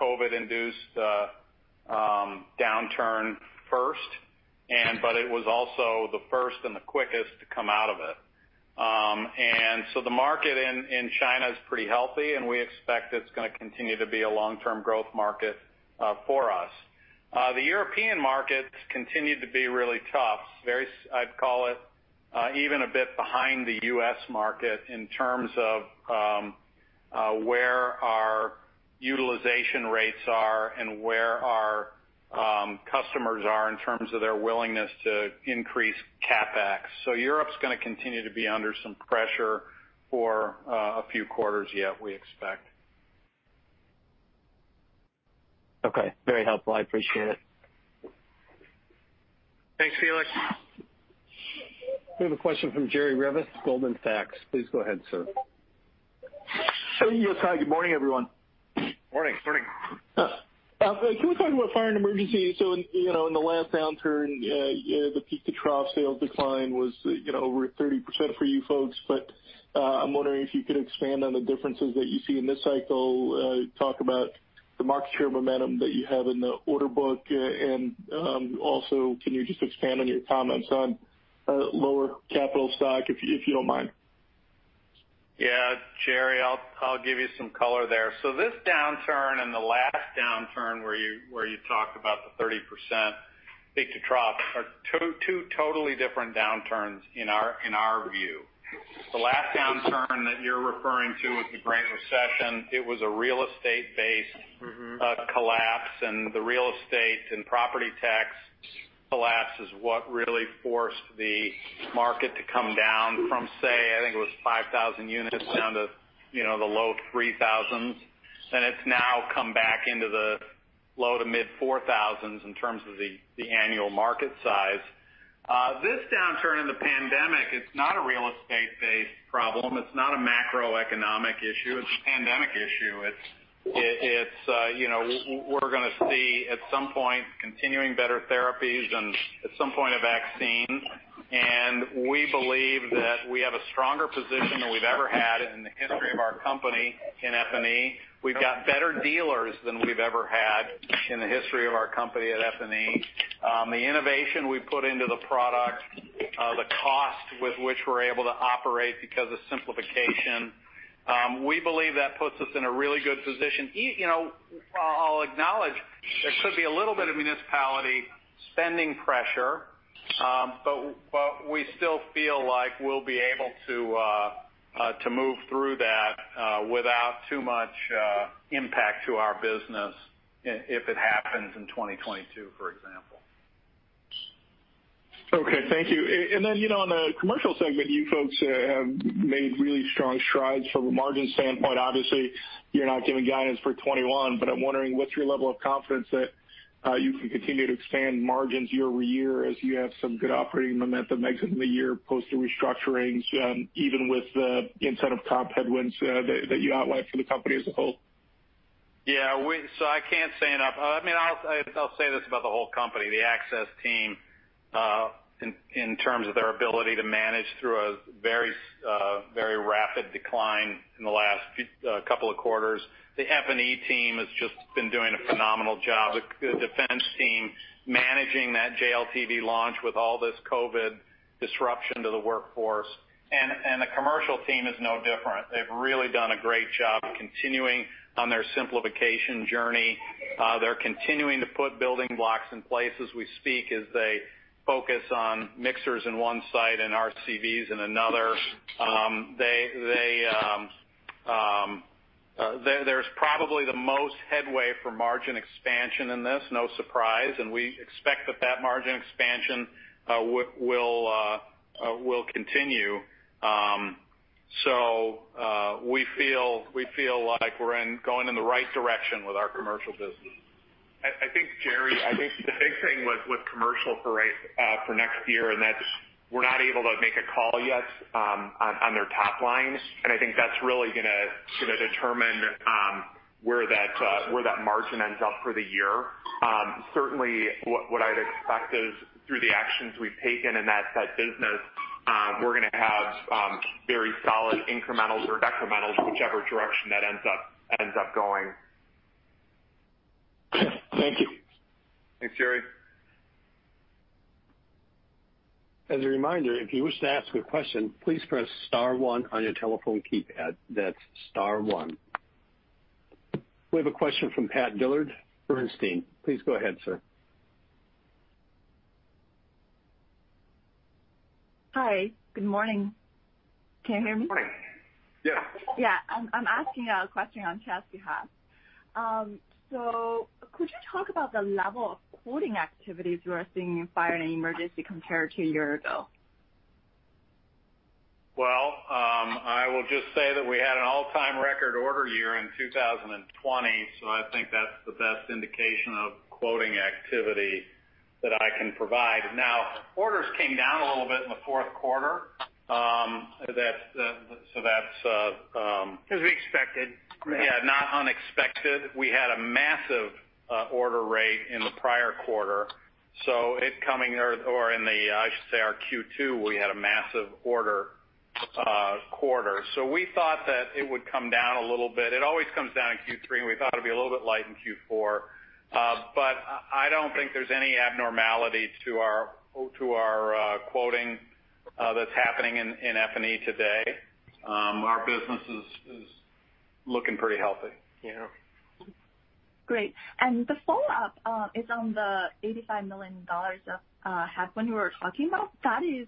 COVID-induced downturn first, and but it was also the first and the quickest to come out of it. And so the market in China is pretty healthy, and we expect it's going to continue to be a long-term growth market for us. The European markets continue to be really tough. Very, I'd call it, even a bit behind the U.S. market in terms of where our utilization rates are and where our customers are in terms of their willingness to increase CapEx. So Europe's going to continue to be under some pressure for a few quarters, yet, we expect. Okay. Very helpful. I appreciate it. Thanks, Felix. We have a question from Jerry Revich, Goldman Sachs. Please go ahead, sir. Hey, yes. Hi, good morning, everyone. Morning. Can we talk about fire and emergency? So, you know, in the last downturn, the peak to trough sales decline was, you know, over 30% for you folks. But, I'm wondering if you could expand on the differences that you see in this cycle, talk about the market share momentum that you have in the order book. And, also, can you just expand on your comments on lower capital stock, if you, if you don't mind? Yeah, Jerry, I'll give you some color there. So this downturn and the last downturn where you talked about the 30% peak to trough, are two totally different downturns in our view.... The last downturn that you're referring to was the Great Recession. It was a real estate-based collapse, and the real estate and property tax collapse is what really forced the market to come down from, say, I think it was 5,000 units down to, you know, the low 3,000s. And it's now come back into the low to mid 4,000s in terms of the, the annual market size. This downturn in the pandemic, it's not a real estate-based problem. It's not a macroeconomic issue. It's a pandemic issue. It's, you know, we're gonna see, at some point, continuing better therapies and, at some point, a vaccine. And we believe that we have a stronger position than we've ever had in the history of our company in F&E. We've got better dealers than we've ever had in the history of our company at F&E. The innovation we put into the product, the cost with which we're able to operate because of simplification, we believe that puts us in a really good position. You know, I'll acknowledge there could be a little bit of municipality spending pressure, but we still feel like we'll be able to to move through that, without too much impact to our business if it happens in 2022, for example. Okay, thank you. And then, you know, on the commercial segment, you folks have made really strong strides from a margin standpoint. Obviously, you're not giving guidance for 2021, but I'm wondering, what's your level of confidence that you can continue to expand margins year over year as you have some good operating momentum exit in the year post the restructurings, even with the incentive comp headwinds that you outlined for the company as a whole? Yeah, we so I can't say enough. I mean, I'll say this about the whole company, the access team, in terms of their ability to manage through a very rapid decline in the last few couple of quarters. The F&E team has just been doing a phenomenal job. The defense team, managing that JLTV launch with all this COVID disruption to the workforce, and the commercial team is no different. They've really done a great job continuing on their simplification journey. They're continuing to put building blocks in place as we speak, as they focus on mixers in one site and RCVs in another. There's probably the most headway for margin expansion in this, no surprise, and we expect that margin expansion will continue. We feel like we're going in the right direction with our commercial business. I think, Jerry, I think the big thing with commercial for next year, and that's we're not able to make a call yet on their top line, and I think that's really gonna determine where that margin ends up for the year. Certainly what I'd expect is through the actions we've taken in that said business, we're gonna have very solid incrementals or decrementals, whichever direction that ends up going. Thank you. Thanks, Jerry. As a reminder, if you wish to ask a question, please press star one on your telephone keypad. That's star one. We have a question from Chad Dillard, Bernstein. Please go ahead, sir. Hi, good morning. Can you hear me? Good morning. Yes. Yeah, I'm asking a question on Chad's behalf. So could you talk about the level of quoting activities you are seeing in fire and emergency compared to a year ago? Well, I will just say that we had an all-time record order year in 2020, so I think that's the best indication of quoting activity that I can provide. Now, orders came down a little bit in the fourth quarter. That's, so that's... As we expected. Yeah, not unexpected. We had a massive order rate in the prior quarter, so it coming, I should say, our Q2, we had a massive order quarter. So we thought that it would come down a little bit. It always comes down in Q3, and we thought it'd be a little bit light in Q4. But I don't think there's any abnormality to our quoting that's happening in F&E today. Our business is looking pretty healthy. Great. And the follow-up is on the $85 million of half when you were talking about, that is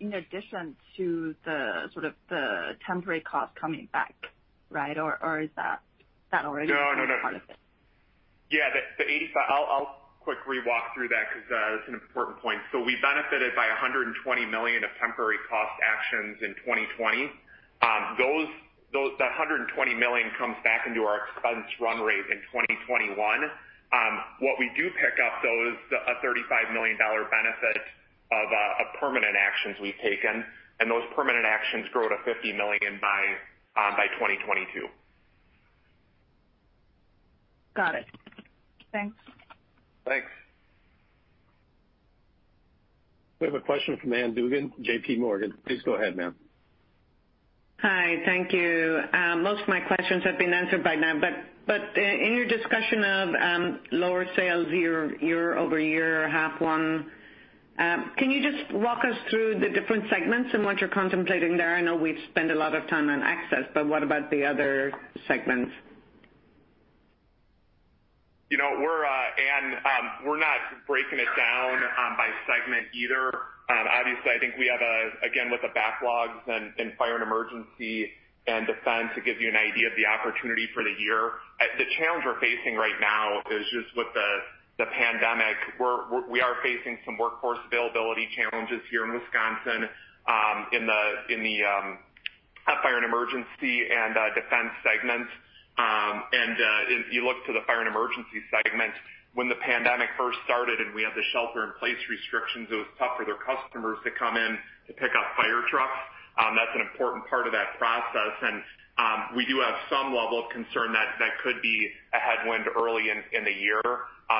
in addition to the sort of the temporary cost coming back, right? Or, or is that, that already- No. Yeah, the 85... I'll quickly walk through that because it's an important point. So we benefited by $120 million of temporary cost actions in 2020. Those, the $120 million comes back into our expense run rate in 2021. What we do pick up, though, is a $35 million benefit of a permanent actions we've taken, and those permanent actions grow to $50 million by 2022. Got it. Thanks. Thanks. We have a question from Ann Duignan, J.P. Morgan. Please go ahead, ma'am. Hi, thank you. Most of my questions have been answered by now, but in your discussion of lower sales year-over-year, half one, can you just walk us through the different segments and what you're contemplating there? I know we've spent a lot of time on access, but what about the other segments? You know Ann, we are not breaking it down by segment either. Obviously, I think we have, again, with the backlogs and fire and emergency and defense, to give you an idea of the opportunity for the year. The challenge we're facing right now is just with the pandemic. We are facing some workforce availability challenges here in Wisconsin, in the fire and emergency and defense segments. If you look to the fire and emergency segment, when the pandemic first started, and we had the shelter-in-place restrictions, it was tough for their customers to come in to pick up fire trucks. That's an important part of that process. We do have some level of concern that could be a headwind early in the year. So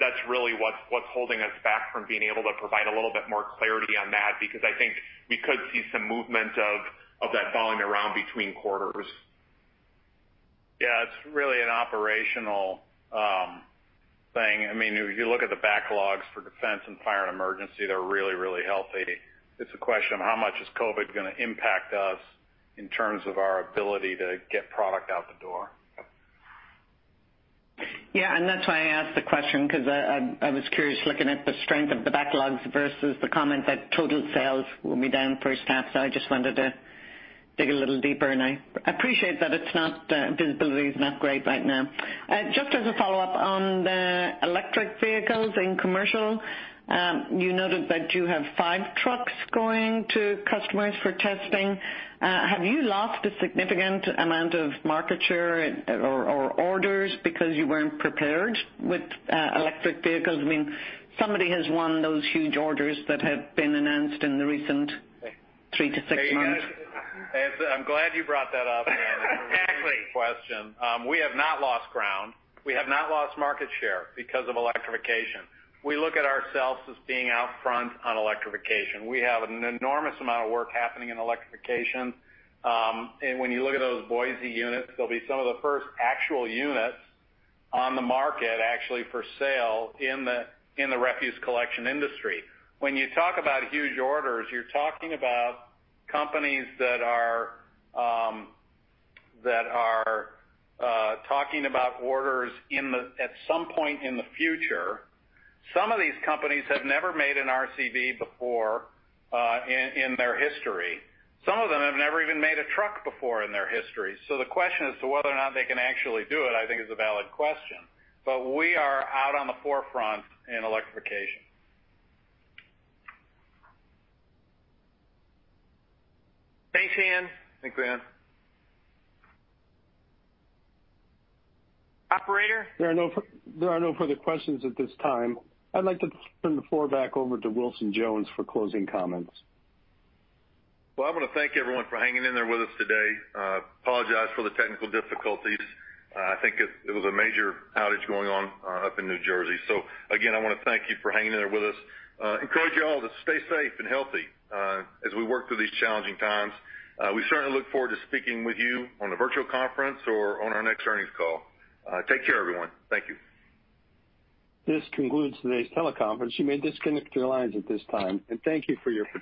that's really what's holding us back from being able to provide a little bit more clarity on that, because I think we could see some movement of that volume around between quarters. Yeah, it's really an operational thing. I mean, if you look at the backlogs for defense and fire and emergency, they're really, really healthy. It's a question of how much is COVID gonna impact us in terms of our ability to get product out the door? Yeah, and that's why I asked the question, because, I, I was curious, looking at the strength of the backlogs versus the comment that total sales will be down first half, so I just wanted to dig a little deeper, and I appreciate that it's not, visibility is not great right now. Just as a follow-up on the electric vehicles in commercial, you noted that you have 5 trucks going to customers for testing. Have you lost a significant amount of market share or, or orders because you weren't prepared with, electric vehicles? I mean, somebody has won those huge orders that have been announced in the recent three to six months. Hey, I'm glad you brought that up, Ann. Exactly! Great question. We have not lost ground. We have not lost market share because of electrification. We look at ourselves as being out front on electrification. We have an enormous amount of work happening in electrification. And when you look at those Boise units, they'll be some of the first actual units on the market, actually for sale in the refuse collection industry. When you talk about huge orders, you're talking about companies that are talking about orders at some point in the future. Some of these companies have never made an RCV before in their history. Some of them have never even made a truck before in their history, so the question as to whether or not they can actually do it, I think is a valid question. But we are out on the forefront in electrification. Thanks, Ann. Thanks, Ann. Operator? There are no further questions at this time. I'd like to turn the floor back over to Wilson Jones for closing comments. Well, I want to thank everyone for hanging in there with us today. Apologize for the technical difficulties. I think it was a major outage going on up in New Jersey. So again, I want to thank you for hanging in there with us. Encourage you all to stay safe and healthy as we work through these challenging times. We certainly look forward to speaking with you on a virtual conference or on our next earnings call. Take care, everyone. Thank you. This concludes today's teleconference. You may disconnect your lines at this time, and thank you for your participation.